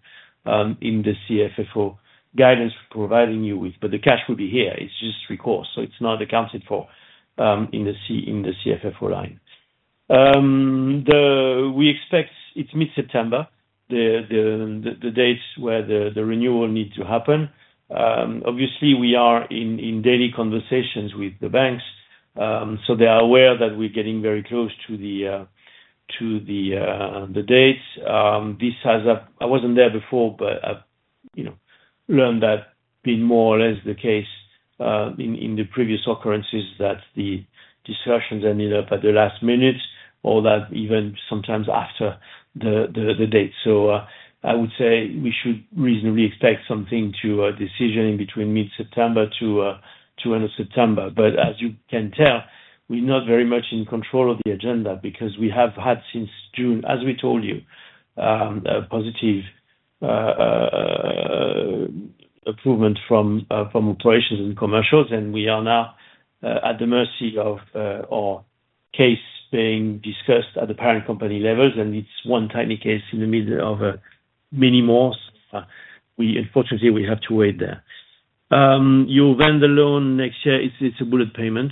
in the CFFO guidance we're providing you with, but the cash will be here. It's just recourse, so it's not accounted for in the CFFO line. We expect it's mid-September, the dates where the renewal needs to happen. Obviously we are in daily conversations with the banks, so they are aware that we're getting very close to the dates. This has a... I wasn't there before, but I've, you know, learned that being more or less the case in the previous occurrences, that the discussions ended up at the last minute or that even sometimes after the date. So I would say we should reasonably expect something to a decision in between mid-September to end of September. But as you can tell, we're not very much in control of the agenda because we have had since June, as we told you, a positive improvement from operations and commercials, and we are now at the mercy of our case being discussed at the parent company levels, and it's one tiny case in the middle of many more. So we unfortunately, we have to wait there. Your vendor loan next year, it's a bullet payment.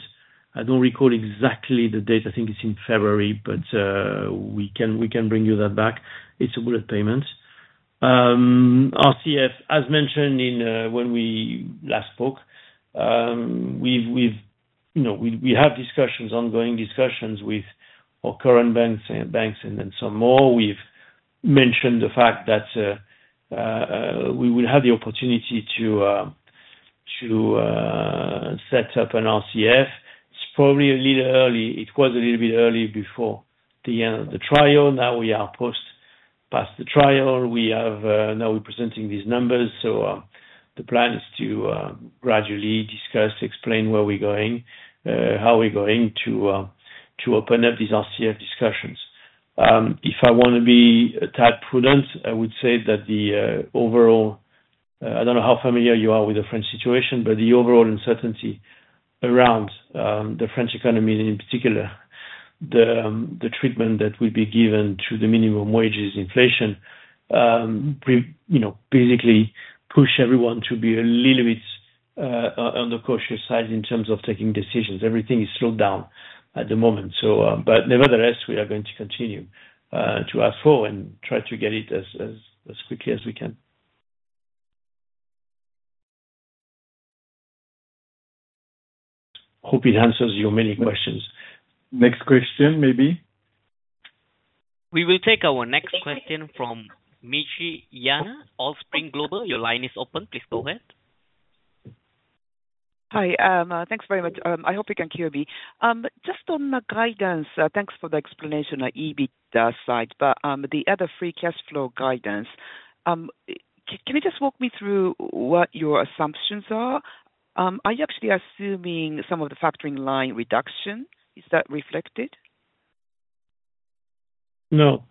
I don't recall exactly the date, I think it's in February, but we can bring you that back. It's a bullet payment. RCF, as mentioned when we last spoke, we've you know we have discussions, ongoing discussions with our current banks and then some more. We've mentioned the fact that we will have the opportunity to set up an RCF. It's probably a little early. It was a little bit early before the end of the trial. Now we are past the trial. We have now we're presenting these numbers, so the plan is to gradually discuss, explain where we're going, how we're going to open up these RCF discussions. If I want to be a tad prudent, I would say that the overall-... I don't know how familiar you are with the French situation, but the overall uncertainty around the French economy and in particular, the treatment that will be given to the minimum wages inflation, you know, basically push everyone to be a little bit on the cautious side in terms of taking decisions. Everything is slowed down at the moment, so, but nevertheless, we are going to continue to our full and try to get it as quickly as we can. Hope it answers your many questions. Next question maybe. We will take our next question from Michie Yana, Offspring Global. Your line is open, please go ahead. Hi, thanks very much. I hope you can hear me. Just on the guidance, thanks for the explanation on EBIT side, but the other free cash flow guidance, can you just walk me through what your assumptions are? Are you actually assuming some of the factoring line reduction? Is that reflected? No.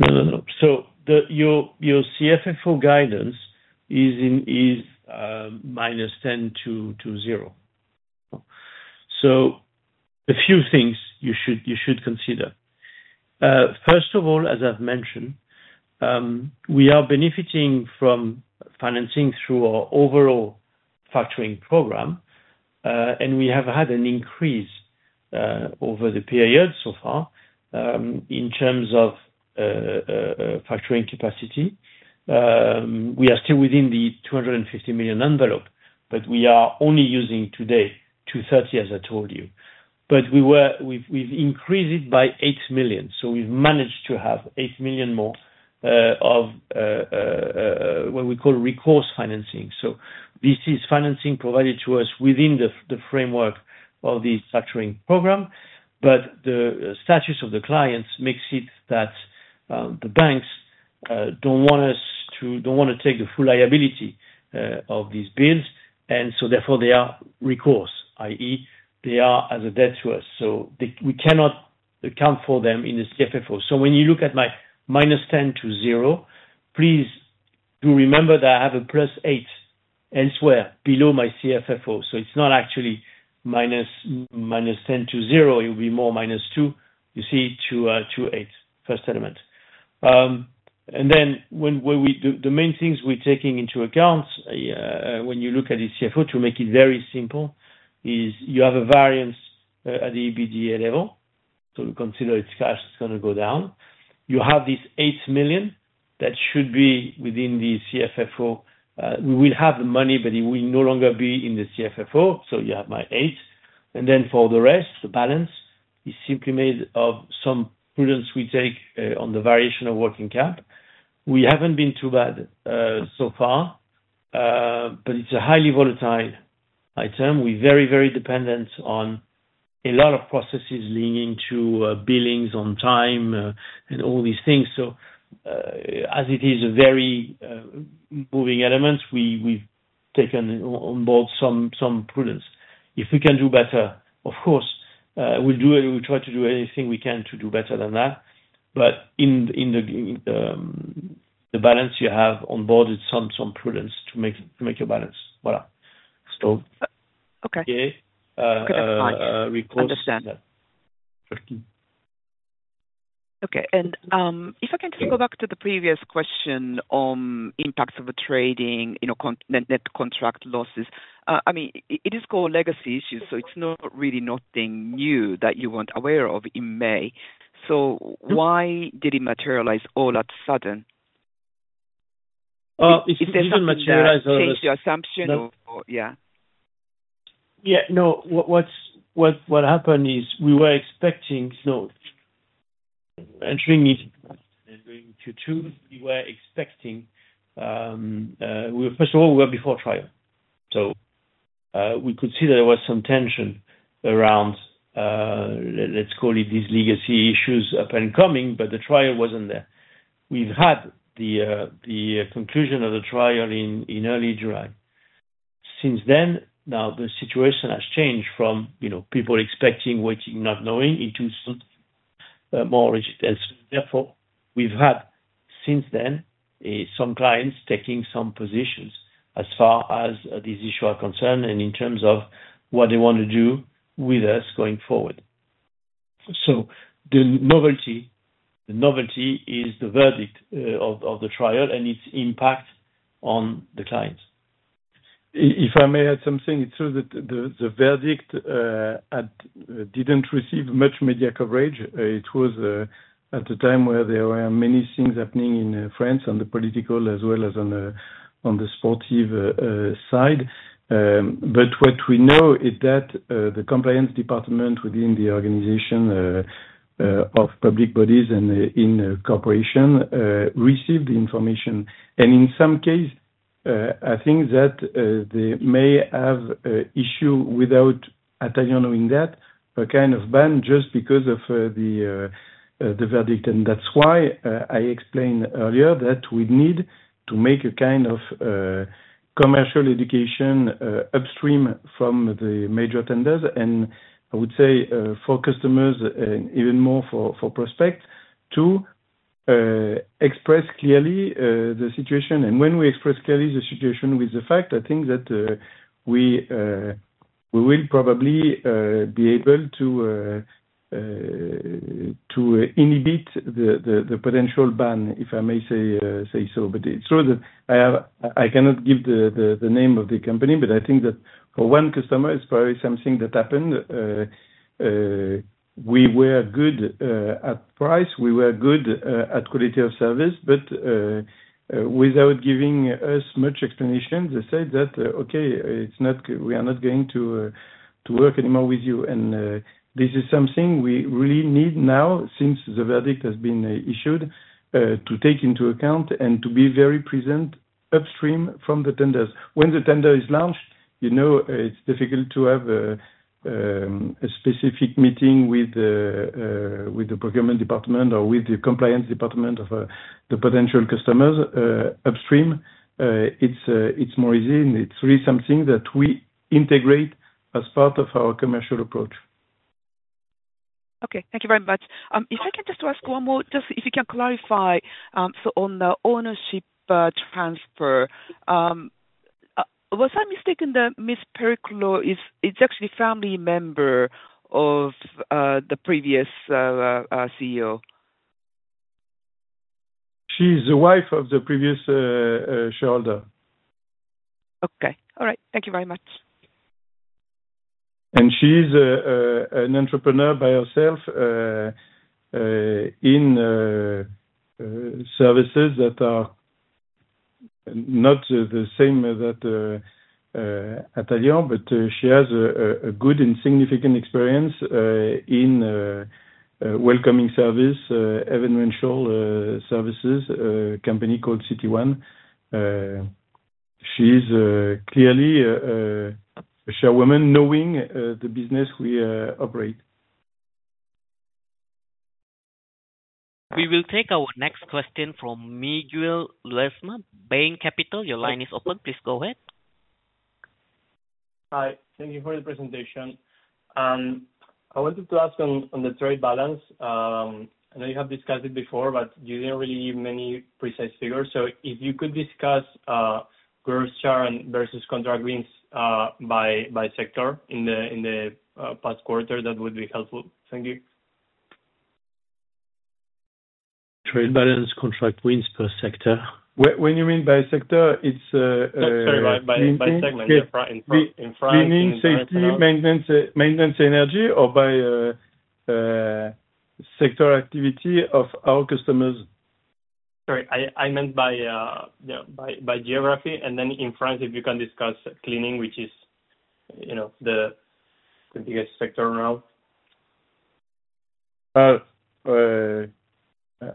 No, no, no. So your CFFO guidance is minus 10 to 0. So a few things you should consider. First of all, as I've mentioned, we are benefiting from financing through our overall factoring program, and we have had an increase over the period so far, in terms of factoring capacity. We are still within the 250 million envelope, but we are only using today 230, as I told you. But we've increased it by 8 million, so we've managed to have 8 million more of what we call recourse financing. So this is financing provided to us within the framework of the factoring program. But the status of the clients makes it that the banks don't wanna take the full liability of these bills, and so therefore they are recourse, i.e., they are as a debt to us. So they, we cannot account for them in the CFFO. So when you look at my -10 to 0, please do remember that I have a plus 8 elsewhere below my CFFO. So it's not actually -10 to 0, it will be more -2. You see two two eight, first element. And then the main things we're taking into account when you look at the CFFO, to make it very simple, is you have a variance at the EBITDA level, so we consider its cash is gonna go down. You have this 8 million that should be within the CFFO. We will have the money, but it will no longer be in the CFFO, so you have my eight. And then for the rest, the balance, is simply made of some prudence we take on the variation of working cap. We haven't been too bad so far, but it's a highly volatile item. We're very, very dependent on a lot of processes leading to billings on time and all these things. So, as it is a very moving element, we've taken on board some prudence. If we can do better, of course, we'll do it. We'll try to do anything we can to do better than that, but in the balance you have on board is some prudence to make your balance. Voilà. So- Okay. Yeah. Okay, that's fine. Recourse. Understand. Okay. And if I can just go back to the previous question on impacts of the trade balance, you know, on net contract losses. I mean, it is called legacy issues, so it's not really nothing new that you weren't aware of in May. So- Mm. Why did it materialize all of a sudden? It didn't materialize- Change the assumption or, yeah. Yeah, no, what happened is we were expecting. No, entering into Q2, we were expecting, first of all, we were before trial. So, we could see that there was some tension around, let's call it, these legacy issues coming up, but the trial wasn't there. We've had the conclusion of the trial in early July. Since then, now the situation has changed from, you know, people expecting, waiting, not knowing, into some more certainty. Therefore, we've had, since then, some clients taking some positions as far as this issue are concerned, and in terms of what they want to do with us going forward. So the novelty is the verdict of the trial and its impact on the clients. If I may add something. It's true that the verdict didn't receive much media coverage. It was at the time where there were many things happening in France, on the political as well as on the sports side. But what we know is that the compliance department within the organization of public bodies and in corporations received the information. And in some case, I think that they may have issue without Atalian knowing that, a kind of ban just because of the verdict. And that's why I explained earlier that we need to make a kind of commercial education upstream from the major tenders. And I would say for customers and even more for prospects.... To express clearly the situation. And when we express clearly the situation with the fact, I think that we will probably be able to inhibit the potential ban, if I may say so. But it's true that I cannot give the name of the company, but I think that for one customer, it's probably something that happened. We were good at price, we were good at quality of service, but without giving us much explanation, they said that, "Okay, it's not going to work anymore with you." And this is something we really need now since the verdict has been issued to take into account and to be very present upstream from the tenders. When the tender is launched, you know, it's difficult to have a specific meeting with the procurement department or with the compliance department of the potential customers upstream. It's more easy, and it's really something that we integrate as part of our commercial approach. Okay, thank you very much. If I could just ask one more, just if you can clarify, so on the ownership transfer, was I mistaken that Miss Pécriaux is actually family member of the previous CEO? She's the wife of the previous shareholder. Okay, all right. Thank you very much. And she's an entrepreneur by herself in services that are not the same as that Atalian, but she has a good and significant experience in welcoming service, event rental services company called City One. She is clearly a chairwoman knowing the business we operate. We will take our next question from Miquel Lluis, Bain Capital. Your line is open, please go ahead. Hi, thank you for the presentation. I wanted to ask on the trade balance. I know you have discussed it before, but you didn't really give many precise figures. So if you could discuss gross churn versus contract wins by sector in the past quarter, that would be helpful. Thank you. Trade balance, contract wins per sector. When you mean by sector, it's cleaning- That's right, by segment. Yeah, in France- You mean safety, maintenance, energy, or by sector activity of our customers? Sorry, I meant by, you know, geography, and then in France, if you can discuss cleaning, which is, you know, the biggest sector now.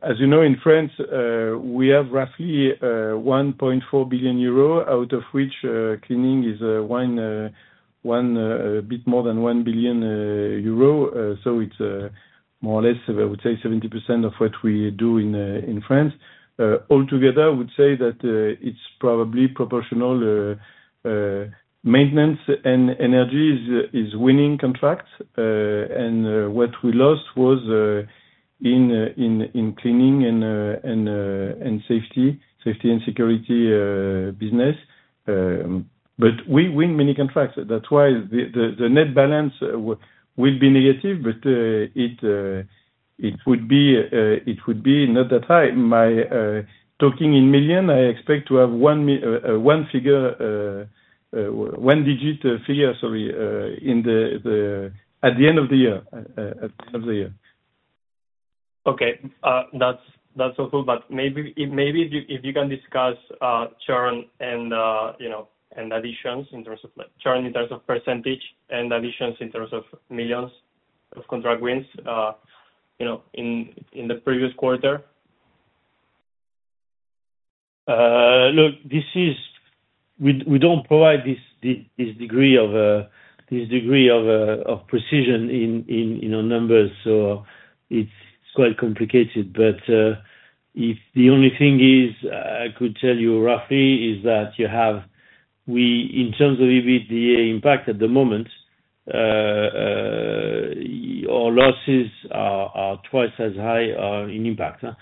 As you know, in France, we have roughly 1.4 billion euro, out of which cleaning is a bit more than 1 billion euro. So it's more or less, I would say, 70% of what we do in France. Altogether, I would say that it's probably proportional, maintenance and energy is winning contracts. And what we lost was in cleaning and safety and security business. But we win many contracts. That's why the net balance will be negative, but it would be not that high. Talking in millions, I expect to have a one-digit figure, sorry, at the end of the year. Okay, that's, that's so cool. But maybe if you, if you can discuss churn and, you know, and additions in terms of like, churn in terms of percentage and additions in terms of millions of contract wins, you know, in, in the previous quarter. Look, this is. We don't provide this degree of precision in our numbers, so it's quite complicated. But, if the only thing is I could tell you roughly is that you have, we, in terms of EBITDA impact at the moment, our losses are twice as high in impact as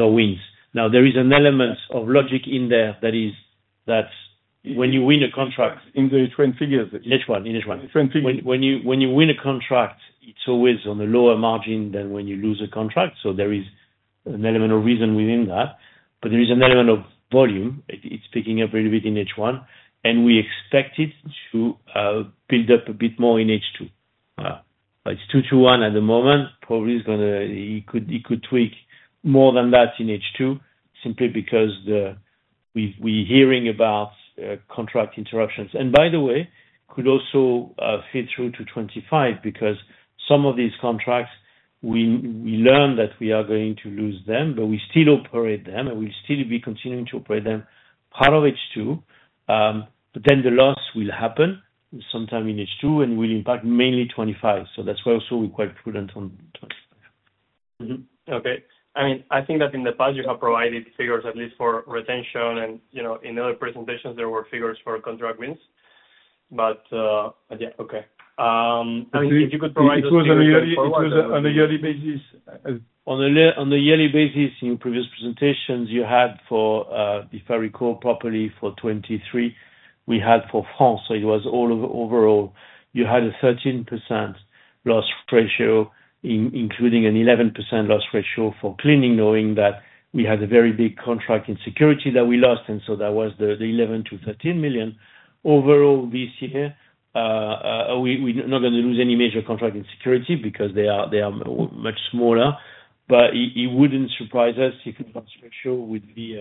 our wins. Now, there is an element of logic in there that when you win a contract- In the twin figures. In each one. Twin figures. When you win a contract, it's always on a lower margin than when you lose a contract, so there is an element of reason within that. But there is an element of volume, it's picking up a little bit in H1, and we expect it to build up a bit more in H2. But it's two to one at the moment, probably is gonna. It could tweak more than that in H2, simply because we're hearing about contract interruptions. And by the way, could also feed through to 2025, because some of these contracts, we learn that we are going to lose them, but we still operate them, and we still be continuing to operate them part of H2. But then the loss will happen sometime in H2 and will impact mainly 2025. So that's why also we're quite prudent on 2025. Mm-hmm. Okay. I mean, I think that in the past you have provided figures, at least for retention, and, you know, in other presentations, there were figures for contract wins.... But, yeah, okay. And if you could provide us- It was on a yearly basis. On a year, on a yearly basis, in previous presentations you had for, if I recall properly, for 2023, we had for France, so it was all over overall, you had a 13% loss ratio, including an 11% loss ratio for cleaning, knowing that we had a very big contract in security that we lost, and so that was the 11 to 13 million. Overall, this year, we, we're not gonna lose any major contract in security because they are much smaller. But it wouldn't surprise us if the loss ratio would be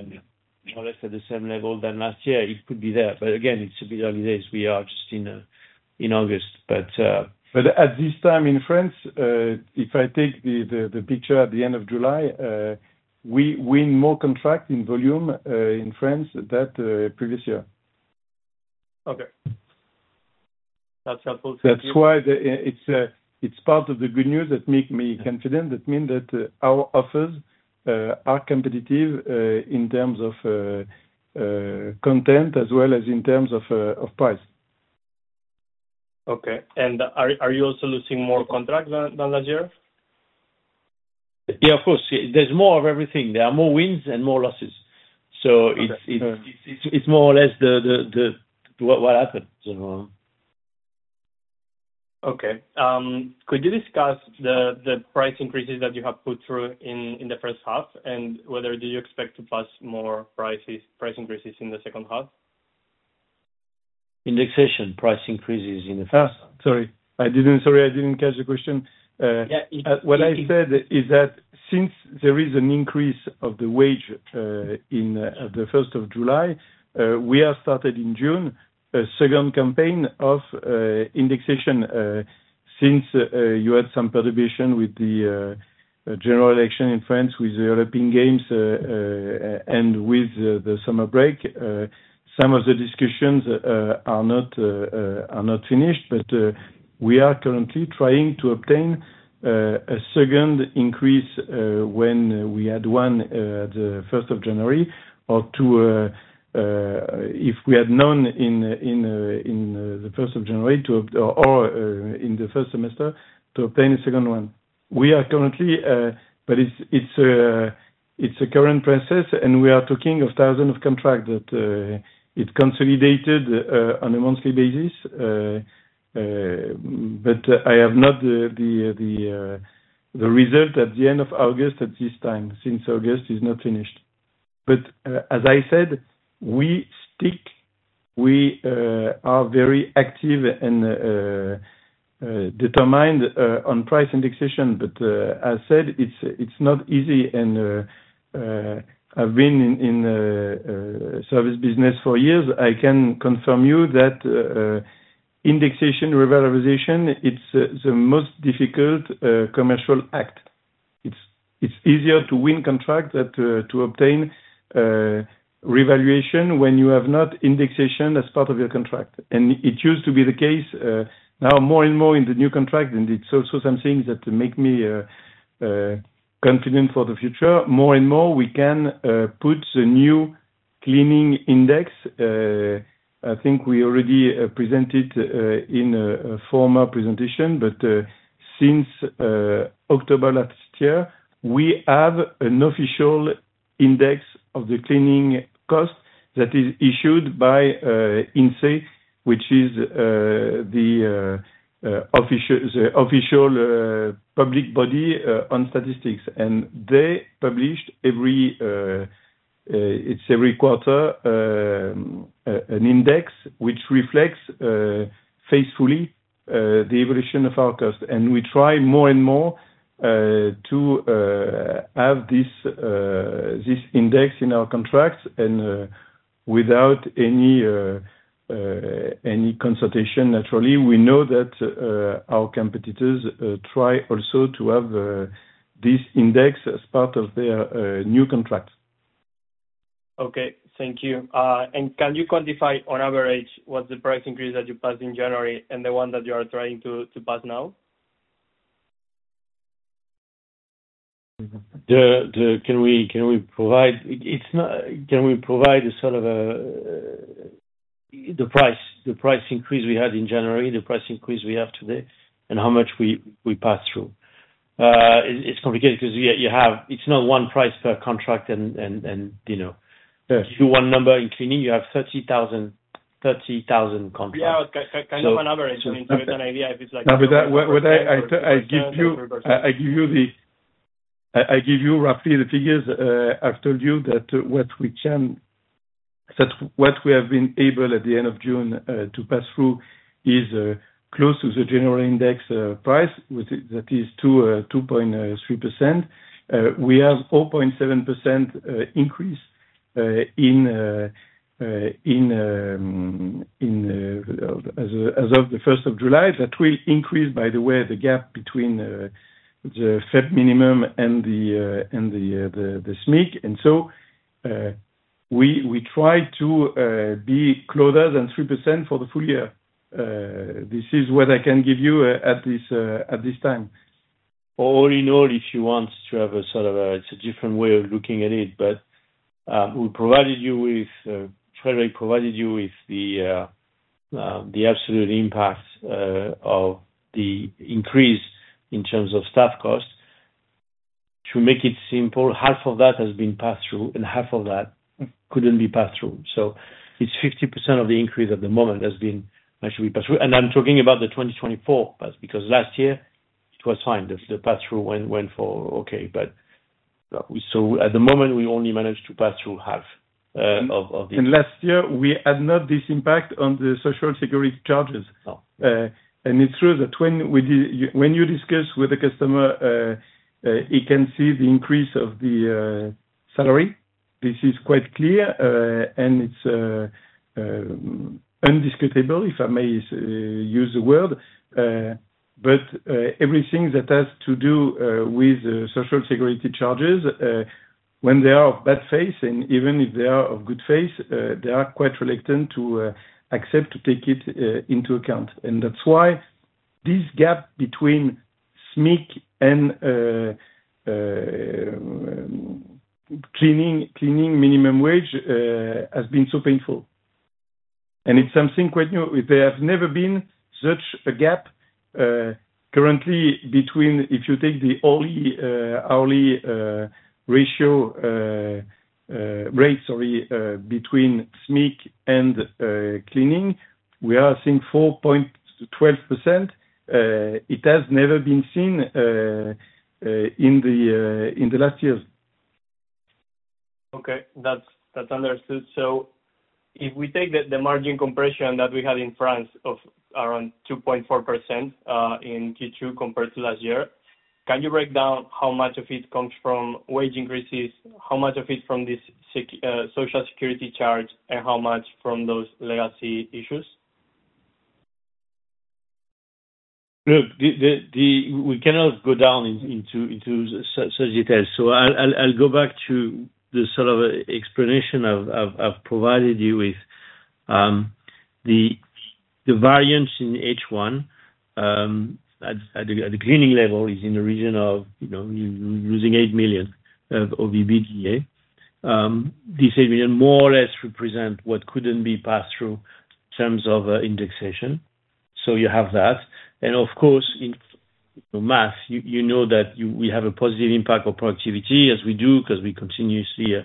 more or less at the same level than last year. It could be there, but again, it's a bit early days. We are just in August, but. But at this time in France, if I take the picture at the end of July, we win more contract in volume in France than previous year. Okay. That's helpful. That's why it's part of the good news that make me confident. That mean that our offers are competitive in terms of content as well as in terms of price. Okay. And are you also losing more contracts than last year? Yeah, of course, there's more of everything. There are more wins and more losses. So it's- Okay. It's more or less what happened, you know? Okay. Could you discuss the price increases that you have put through in the first half, and whether you expect to pass more price increases in the second half? Indexation, price increases in the first half. Sorry, I didn't catch the question. Yeah, it- What I said is that since there is an increase of the wage in the 1 July, we have started in June a second campaign of indexation. Since you had some perturbation with the general election in France with the European Games and with the summer break, some of the discussions are not finished. But we are currently trying to obtain a second increase when we had one the 1 January, or to if we had none in the 1 January to or in the first semester, to obtain a second one. We are currently, but it's a current process, and we are talking of thousands of contract that it consolidated on a monthly basis. But I have not the result at the end of August at this time, since August is not finished. As I said, we stick, we are very active and determined on price indexation. But as said, it's not easy and I've been in service business for years. I can confirm you that indexation revaluation, it's the most difficult commercial act. It's easier to win contract than to obtain revaluation when you have not indexation as part of your contract. It used to be the case. Now more and more in the new contract, and it's also some things that make me confident for the future. More and more we can put the new cleaning index. I think we already presented in a former presentation, but since October last year, we have an official index of the cleaning cost that is issued by INSEE, which is the official public body on statistics. They publish every quarter an index which reflects faithfully the evolution of our cost. We try more and more to have this index in our contracts and without any consultation. Naturally, we know that our competitors try also to have this index as part of their new contract. Okay, thank you. And can you quantify on average, what's the price increase that you passed in January, and the one that you are trying to pass now? Can we provide a sort of the price, the price increase we had in January, the price increase we have today, and how much we passed through? It's complicated because you have. It's not one price per contract and you know- Yes. If you do one number in cleaning, you have 30,000, 30,000 contracts. Yeah, kind of an average, I mean, to get an idea if it's like- With that, I give you roughly the figures. I've told you that what we have been able at the end of June to pass through is close to the general index price, which is 2.3%. We have 0.7% increase as of the 1 July. That will increase, by the way, the gap between the FEP minimum and the SMIC. And so, we try to be closer than 3% for the full year. This is what I can give you at this time.... All in all, if you want to have a sort of a, it's a different way of looking at it, but we provided you with. Frédéric provided you with the absolute impact of the increase in terms of staff costs. To make it simple, half of that has been passed through and half of that couldn't be passed through. So it's 50% of the increase at the moment has been actually passed through. And I'm talking about 2024, because last year it was fine. The pass-through went okay, but so at the moment, we only managed to pass through half of the- Last year, we had not this impact on the Social Security charges. No. And it's true that when you discuss with the customer, he can see the increase of the salary. This is quite clear, and it's indisputable, if I may use the word. But everything that has to do with Social Security charges, when they are of bad faith, and even if they are of good faith, they are quite reluctant to accept to take it into account. And that's why this gap between SMIC and cleaning minimum wage has been so painful. And it's something quite new. There have never been such a gap currently between if you take the hourly rate, sorry, between SMIC and cleaning, we are seeing 4.12%. It has never been seen in the last years. Okay, that's understood. So if we take the margin compression that we had in France of around 2.4% in Q2 compared to last year, can you break down how much of it comes from wage increases, how much of it from this Social Security charge, and how much from those legacy issues? Look. We cannot go down into such details. So I'll go back to the sort of explanation I've provided you with. The variance in H1 at the cleaning level is in the region of, you know, losing 8 million of EBITDA. This eight million more or less represent what couldn't be passed through terms of indexation. So you have that. And of course, in maintenance, you know that we have a positive impact on productivity as we do, 'cause we continuously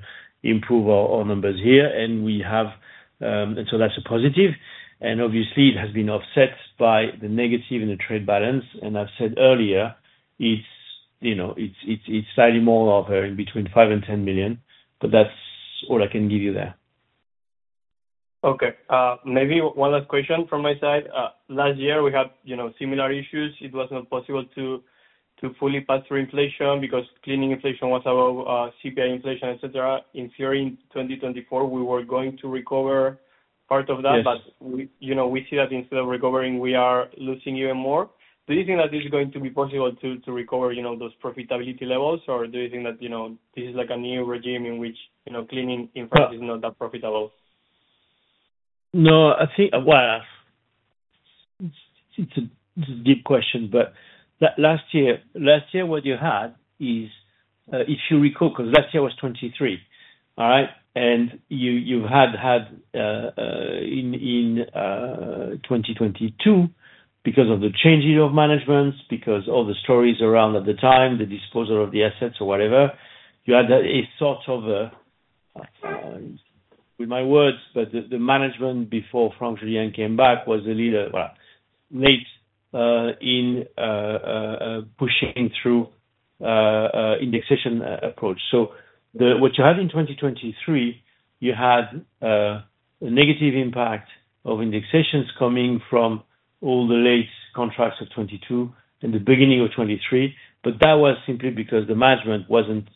improve our numbers here, and we have. And so that's a positive, and obviously, it has been offset by the negative in the trade balance. And I've said earlier, you know, it's slightly more over in between 5 and 10 million, but that's all I can give you there. Okay. Maybe one last question from my side. Last year we had, you know, similar issues. It was not possible to fully pass through inflation because cleaning inflation was above CPI inflation, et cetera. In theory, in 2024, we were going to recover part of that- Yes. But, you know, we see that instead of recovering, we are losing even more. Do you think that this is going to be possible to recover, you know, those profitability levels, or do you think that, you know, this is like a new regime in which, you know, cleaning in France is not that profitable? No, I think, well, it's a deep question, but last year what you had is, if you recall, 'cause last year was 2023, all right? And you had in 2022, because of the changing of managements, because all the stories around at the time, the disposal of the assets or whatever, you had a sort of, with my words, but the management before Franck Julien came back was a little late in pushing through an indexation approach. So what you had in 2023, you had a negative impact of indexations coming from all the late contracts of 2022 and the beginning of 2023, but that was simply because the management wasn't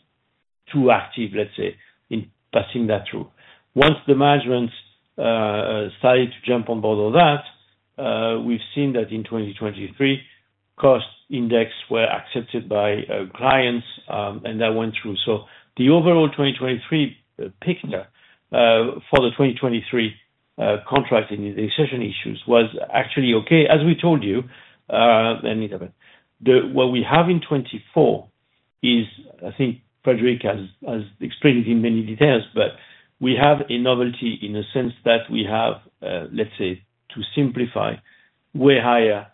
too active, let's say, in passing that through. Once the management started to jump on board on that, we've seen that in 2023, cost indices were accepted by clients, and that went through. So the overall 2023 picture for the 2023 contract indexation issues was actually okay. As we told you, and the other, what we have in 2024 is, I think Frédéric has explained it in many details, but we have a novelty in the sense that we have, let's say, to simplify, way higher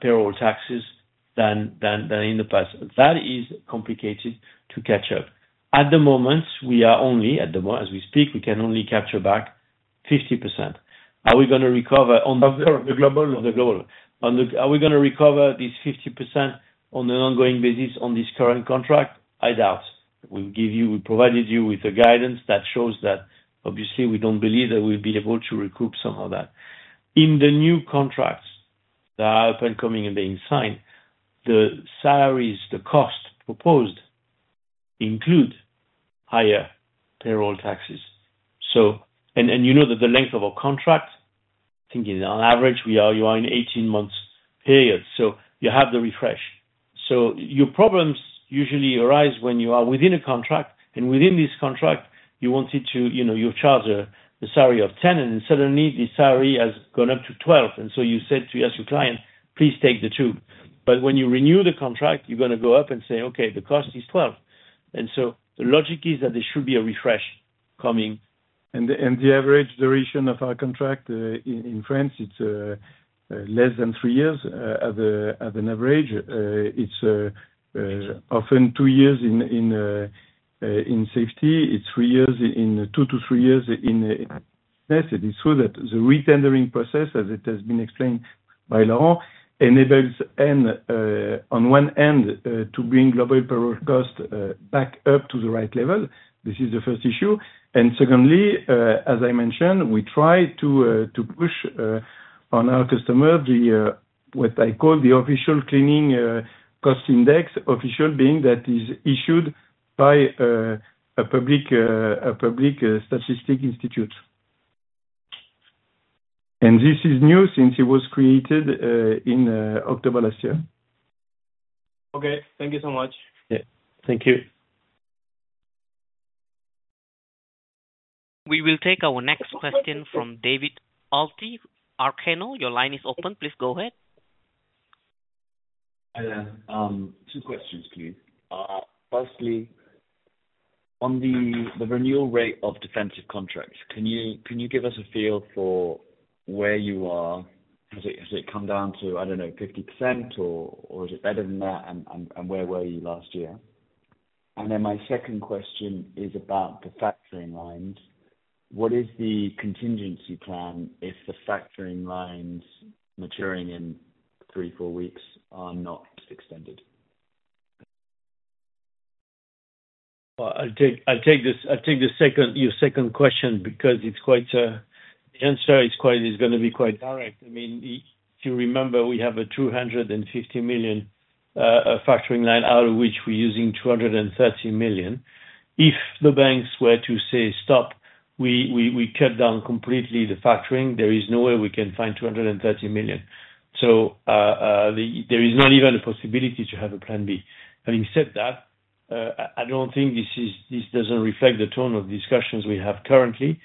payroll taxes than in the past. That is complicated to catch up. At the moment, we are only, as we speak, we can only capture back 50%. Are we gonna recover on the- The global? On the global, are we gonna recover this 50% on an ongoing basis on this current contract? I doubt. We'll give you, we provided you with a guidance that shows that obviously we don't believe that we'll be able to recoup some of that. In the new contracts that are upcoming and being signed, the salaries, the cost proposed include higher payroll taxes, so. And you know that the length of our contract, I think it is on average, you are in 18-month period, so you have the refresh. So your problems usually arise when you are within a contract, and within this contract, you wanted to, you know, you charge a salary of 10, and suddenly the salary has gone up to 12. And so you said to, as your client, "Please take the two." But when you renew the contract, you're gonna go up and say, "Okay, the cost is 12." And so the logic is that there should be a refresh coming. The average duration of our contract in France, it's less than three years, as an average. It's often two years in safety, it's three years, two to three years in. Yes. It is true that the retendering process, as it has been explained by Laurent, enables, and on one end, to bring global payroll cost back up to the right level. This is the first issue, and secondly, as I mentioned, we try to push on our customer the, what I call, the official cleaning cost index. Official being that is issued by a public statistical institute, and this is new, since it was created in October last year. Okay, thank you so much. Yeah. Thank you. We will take our next question from David Alty, Arcano. Your line is open, please go ahead. Hello. Two questions, please. First, on the renewal rate of defensive contracts, can you give us a feel for where you are? Has it come down to, I don't know, 50%, or is it better than that? And where were you last year? And then my second question is about the factoring lines. What is the contingency plan if the factoring lines maturing in three, four weeks are not extended? I'll take your second question, because it's quite, the answer is quite direct. I mean, if you remember, we have a 250 million factoring line, out of which we're using 230 million. If the banks were to say, "Stop," we cut down completely the factoring, there is no way we can find 230 million. So, there is not even a possibility to have a plan B. Having said that, I don't think this is- this doesn't reflect the tone of discussions we have currently.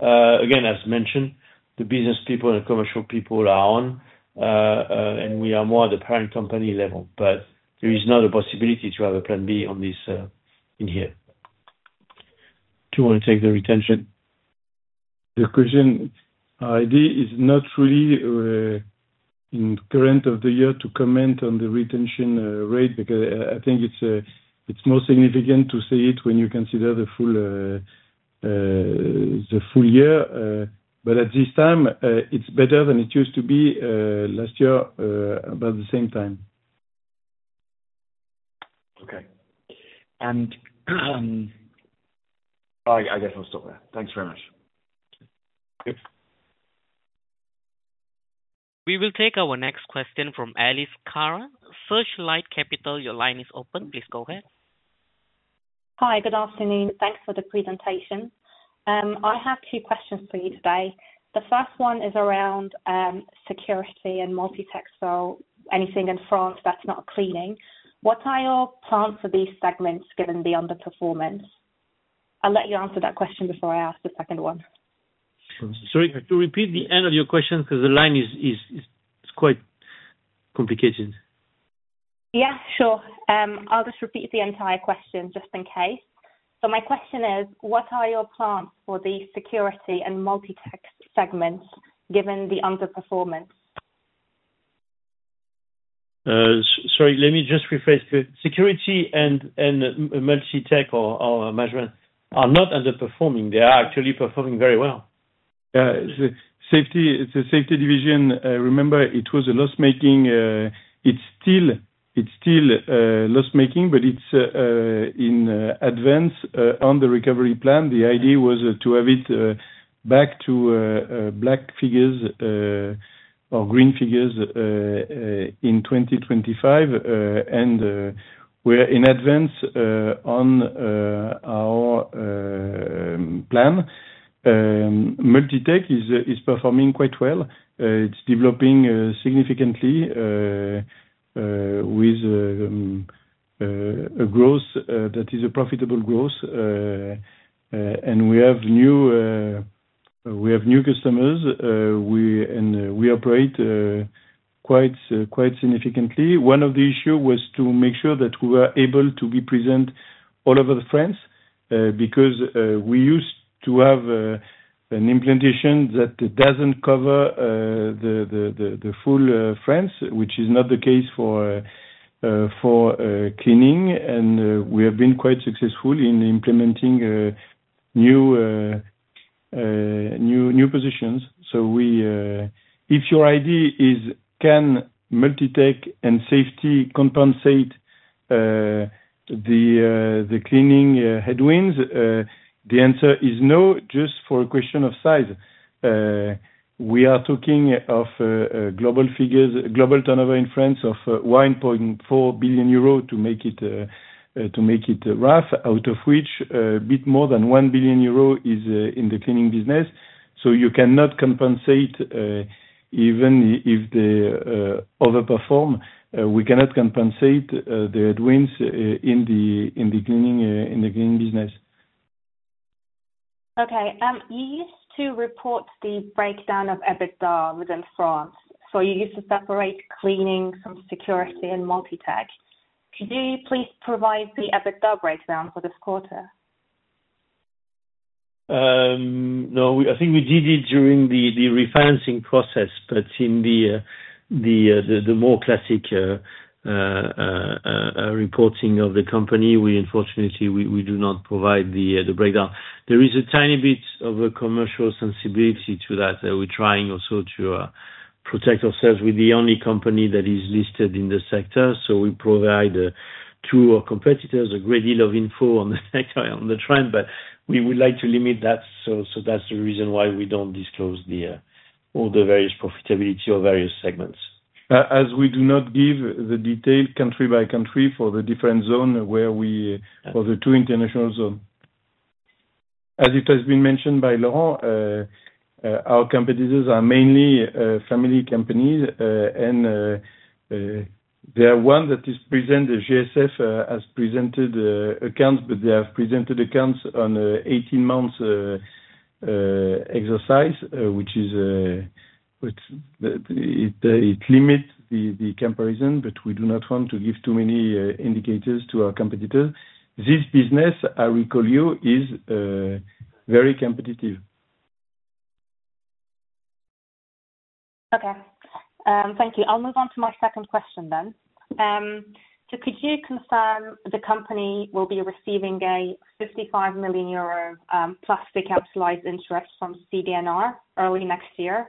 Again, as mentioned, the business people and commercial people are on, and we are more at the parent company level. But there is not a possibility to have a plan B on this, in here. Do you wanna take the retention? The question or idea is not really in the current year to comment on the retention rate, because I think it's more significant to see it when you consider the full year, but at this time, it's better than it used to be last year about the same time. Okay. And I guess I'll stop there. Thanks very much. Good. We will take our next question from Alice Cerra. Searchlight Capital, your line is open, please go ahead. Hi, good afternoon. Thanks for the presentation. I have two questions for you today. The first one is around security and multi-tech, so anything in France that's not cleaning. What are your plans for these segments, given the underperformance? I'll let you answer that question before I ask the second one. Sorry, could you repeat the end of your question? 'Cause the line is, it's quite complicated. Yeah, sure. I'll just repeat the entire question, just in case. So my question is: What are your plans for the security and multi-tech segments, given the underperformance? Sorry, let me just rephrase. Security and multi-tech or management are not underperforming, they are actually performing very well. The safety division, remember it was loss-making, it's still loss-making, but it's in advance on the recovery plan. The idea was to have it back to black figures or green figures in 2025, and we're in advance on our plan. Multi-Tech is performing quite well. It's developing significantly with a growth that is a profitable growth, and we have new customers, and we operate quite significantly. One of the issue was to make sure that we were able to be present all over France, because we used to have an implantation that doesn't cover the full France, which is not the case for cleaning. And we have been quite successful in implementing new positions. So we... If your idea is, can multi-tech and safety compensate the cleaning headwinds? The answer is no, just for a question of size. We are talking of global figures, global turnover in France of 1.4 billion euro, to make it rough, out of which a bit more than 1 billion euro is in the cleaning business. You cannot compensate even if they overperform. We cannot compensate the headwinds in the cleaning business. ... Okay, you used to report the breakdown of EBITDA within France, so you used to separate cleaning from security and multi-tech. Could you please provide the EBITDA breakdown for this quarter? No, I think we did it during the refinancing process, but in the more classic reporting of the company, we unfortunately do not provide the breakdown. There is a tiny bit of a commercial sensibility to that. We're trying also to protect ourselves. We're the only company that is listed in this sector, so we provide to our competitors a great deal of info on the sector, on the trend, but we would like to limit that. So that's the reason why we don't disclose all the various profitability or various segments. As we do not give the detailed country by country for the different zone, where we, for the two international zone. As it has been mentioned by Laurent, our competitors are mainly family companies, and there are one that is present, the GSF, has presented accounts, but they have presented accounts on 18 months exercise, which it limits the comparison, but we do not want to give too many indicators to our competitors. This business, I recall you, is very competitive. Okay. Thank you. I'll move on to my second question then. So could you confirm the company will be receiving 55 million euro plus capitalized interest from CD&R early next year,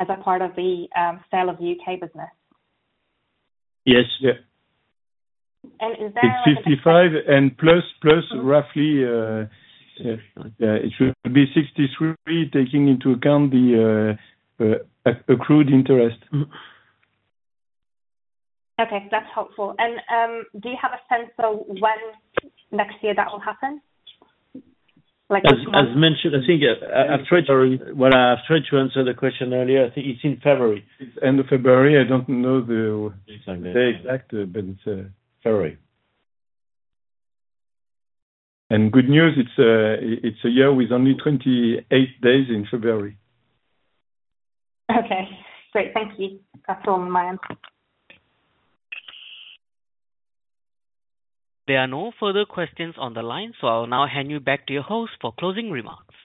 as a part of the sale of the U.K. business? Yes. Yeah. Is there a- It's fifty-five and plus, plus roughly, yeah, it should be sixty-three, taking into account the accrued interest. Okay, that's helpful. And, do you have a sense of when next year that will happen? Like- As mentioned, I think, I've tried to- February. I've tried to answer the question earlier. I think it's in February. It's end of February. I don't know the exact, but it's February. And good news, it's a year with only twenty-eight days in February. Okay, great. Thank you. That's all on my end. There are no further questions on the line, so I will now hand you back to your host for closing remarks.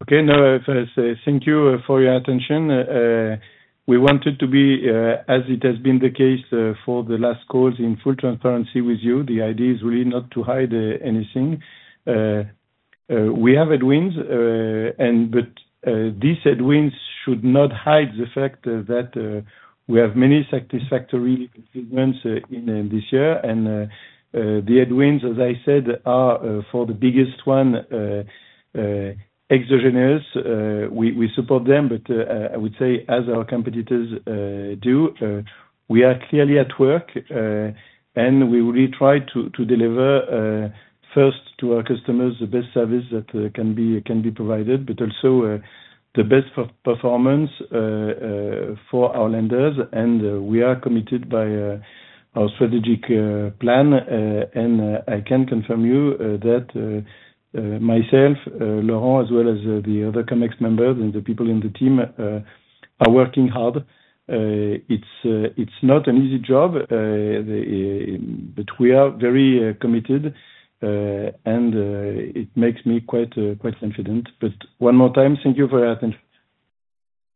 Okay, now, first, thank you for your attention. We wanted to be, as it has been the case, for the last call, in full transparency with you. The idea is really not to hide anything. We have headwinds, and but, these headwinds should not hide the fact that we have many satisfactory events in this year, and the headwinds, as I said, are for the biggest one, exogenous. We support them, but I would say, as our competitors do, we are clearly at work, and we really try to deliver, first to our customers, the best service that can be provided, but also the best performance for our lenders. And, we are committed by our strategic plan. And, I can confirm you that myself, Laurent, as well as the other Comex members and the people in the team, are working hard. It's not an easy job. But we are very committed, and it makes me quite confident. But one more time, thank you for your attention.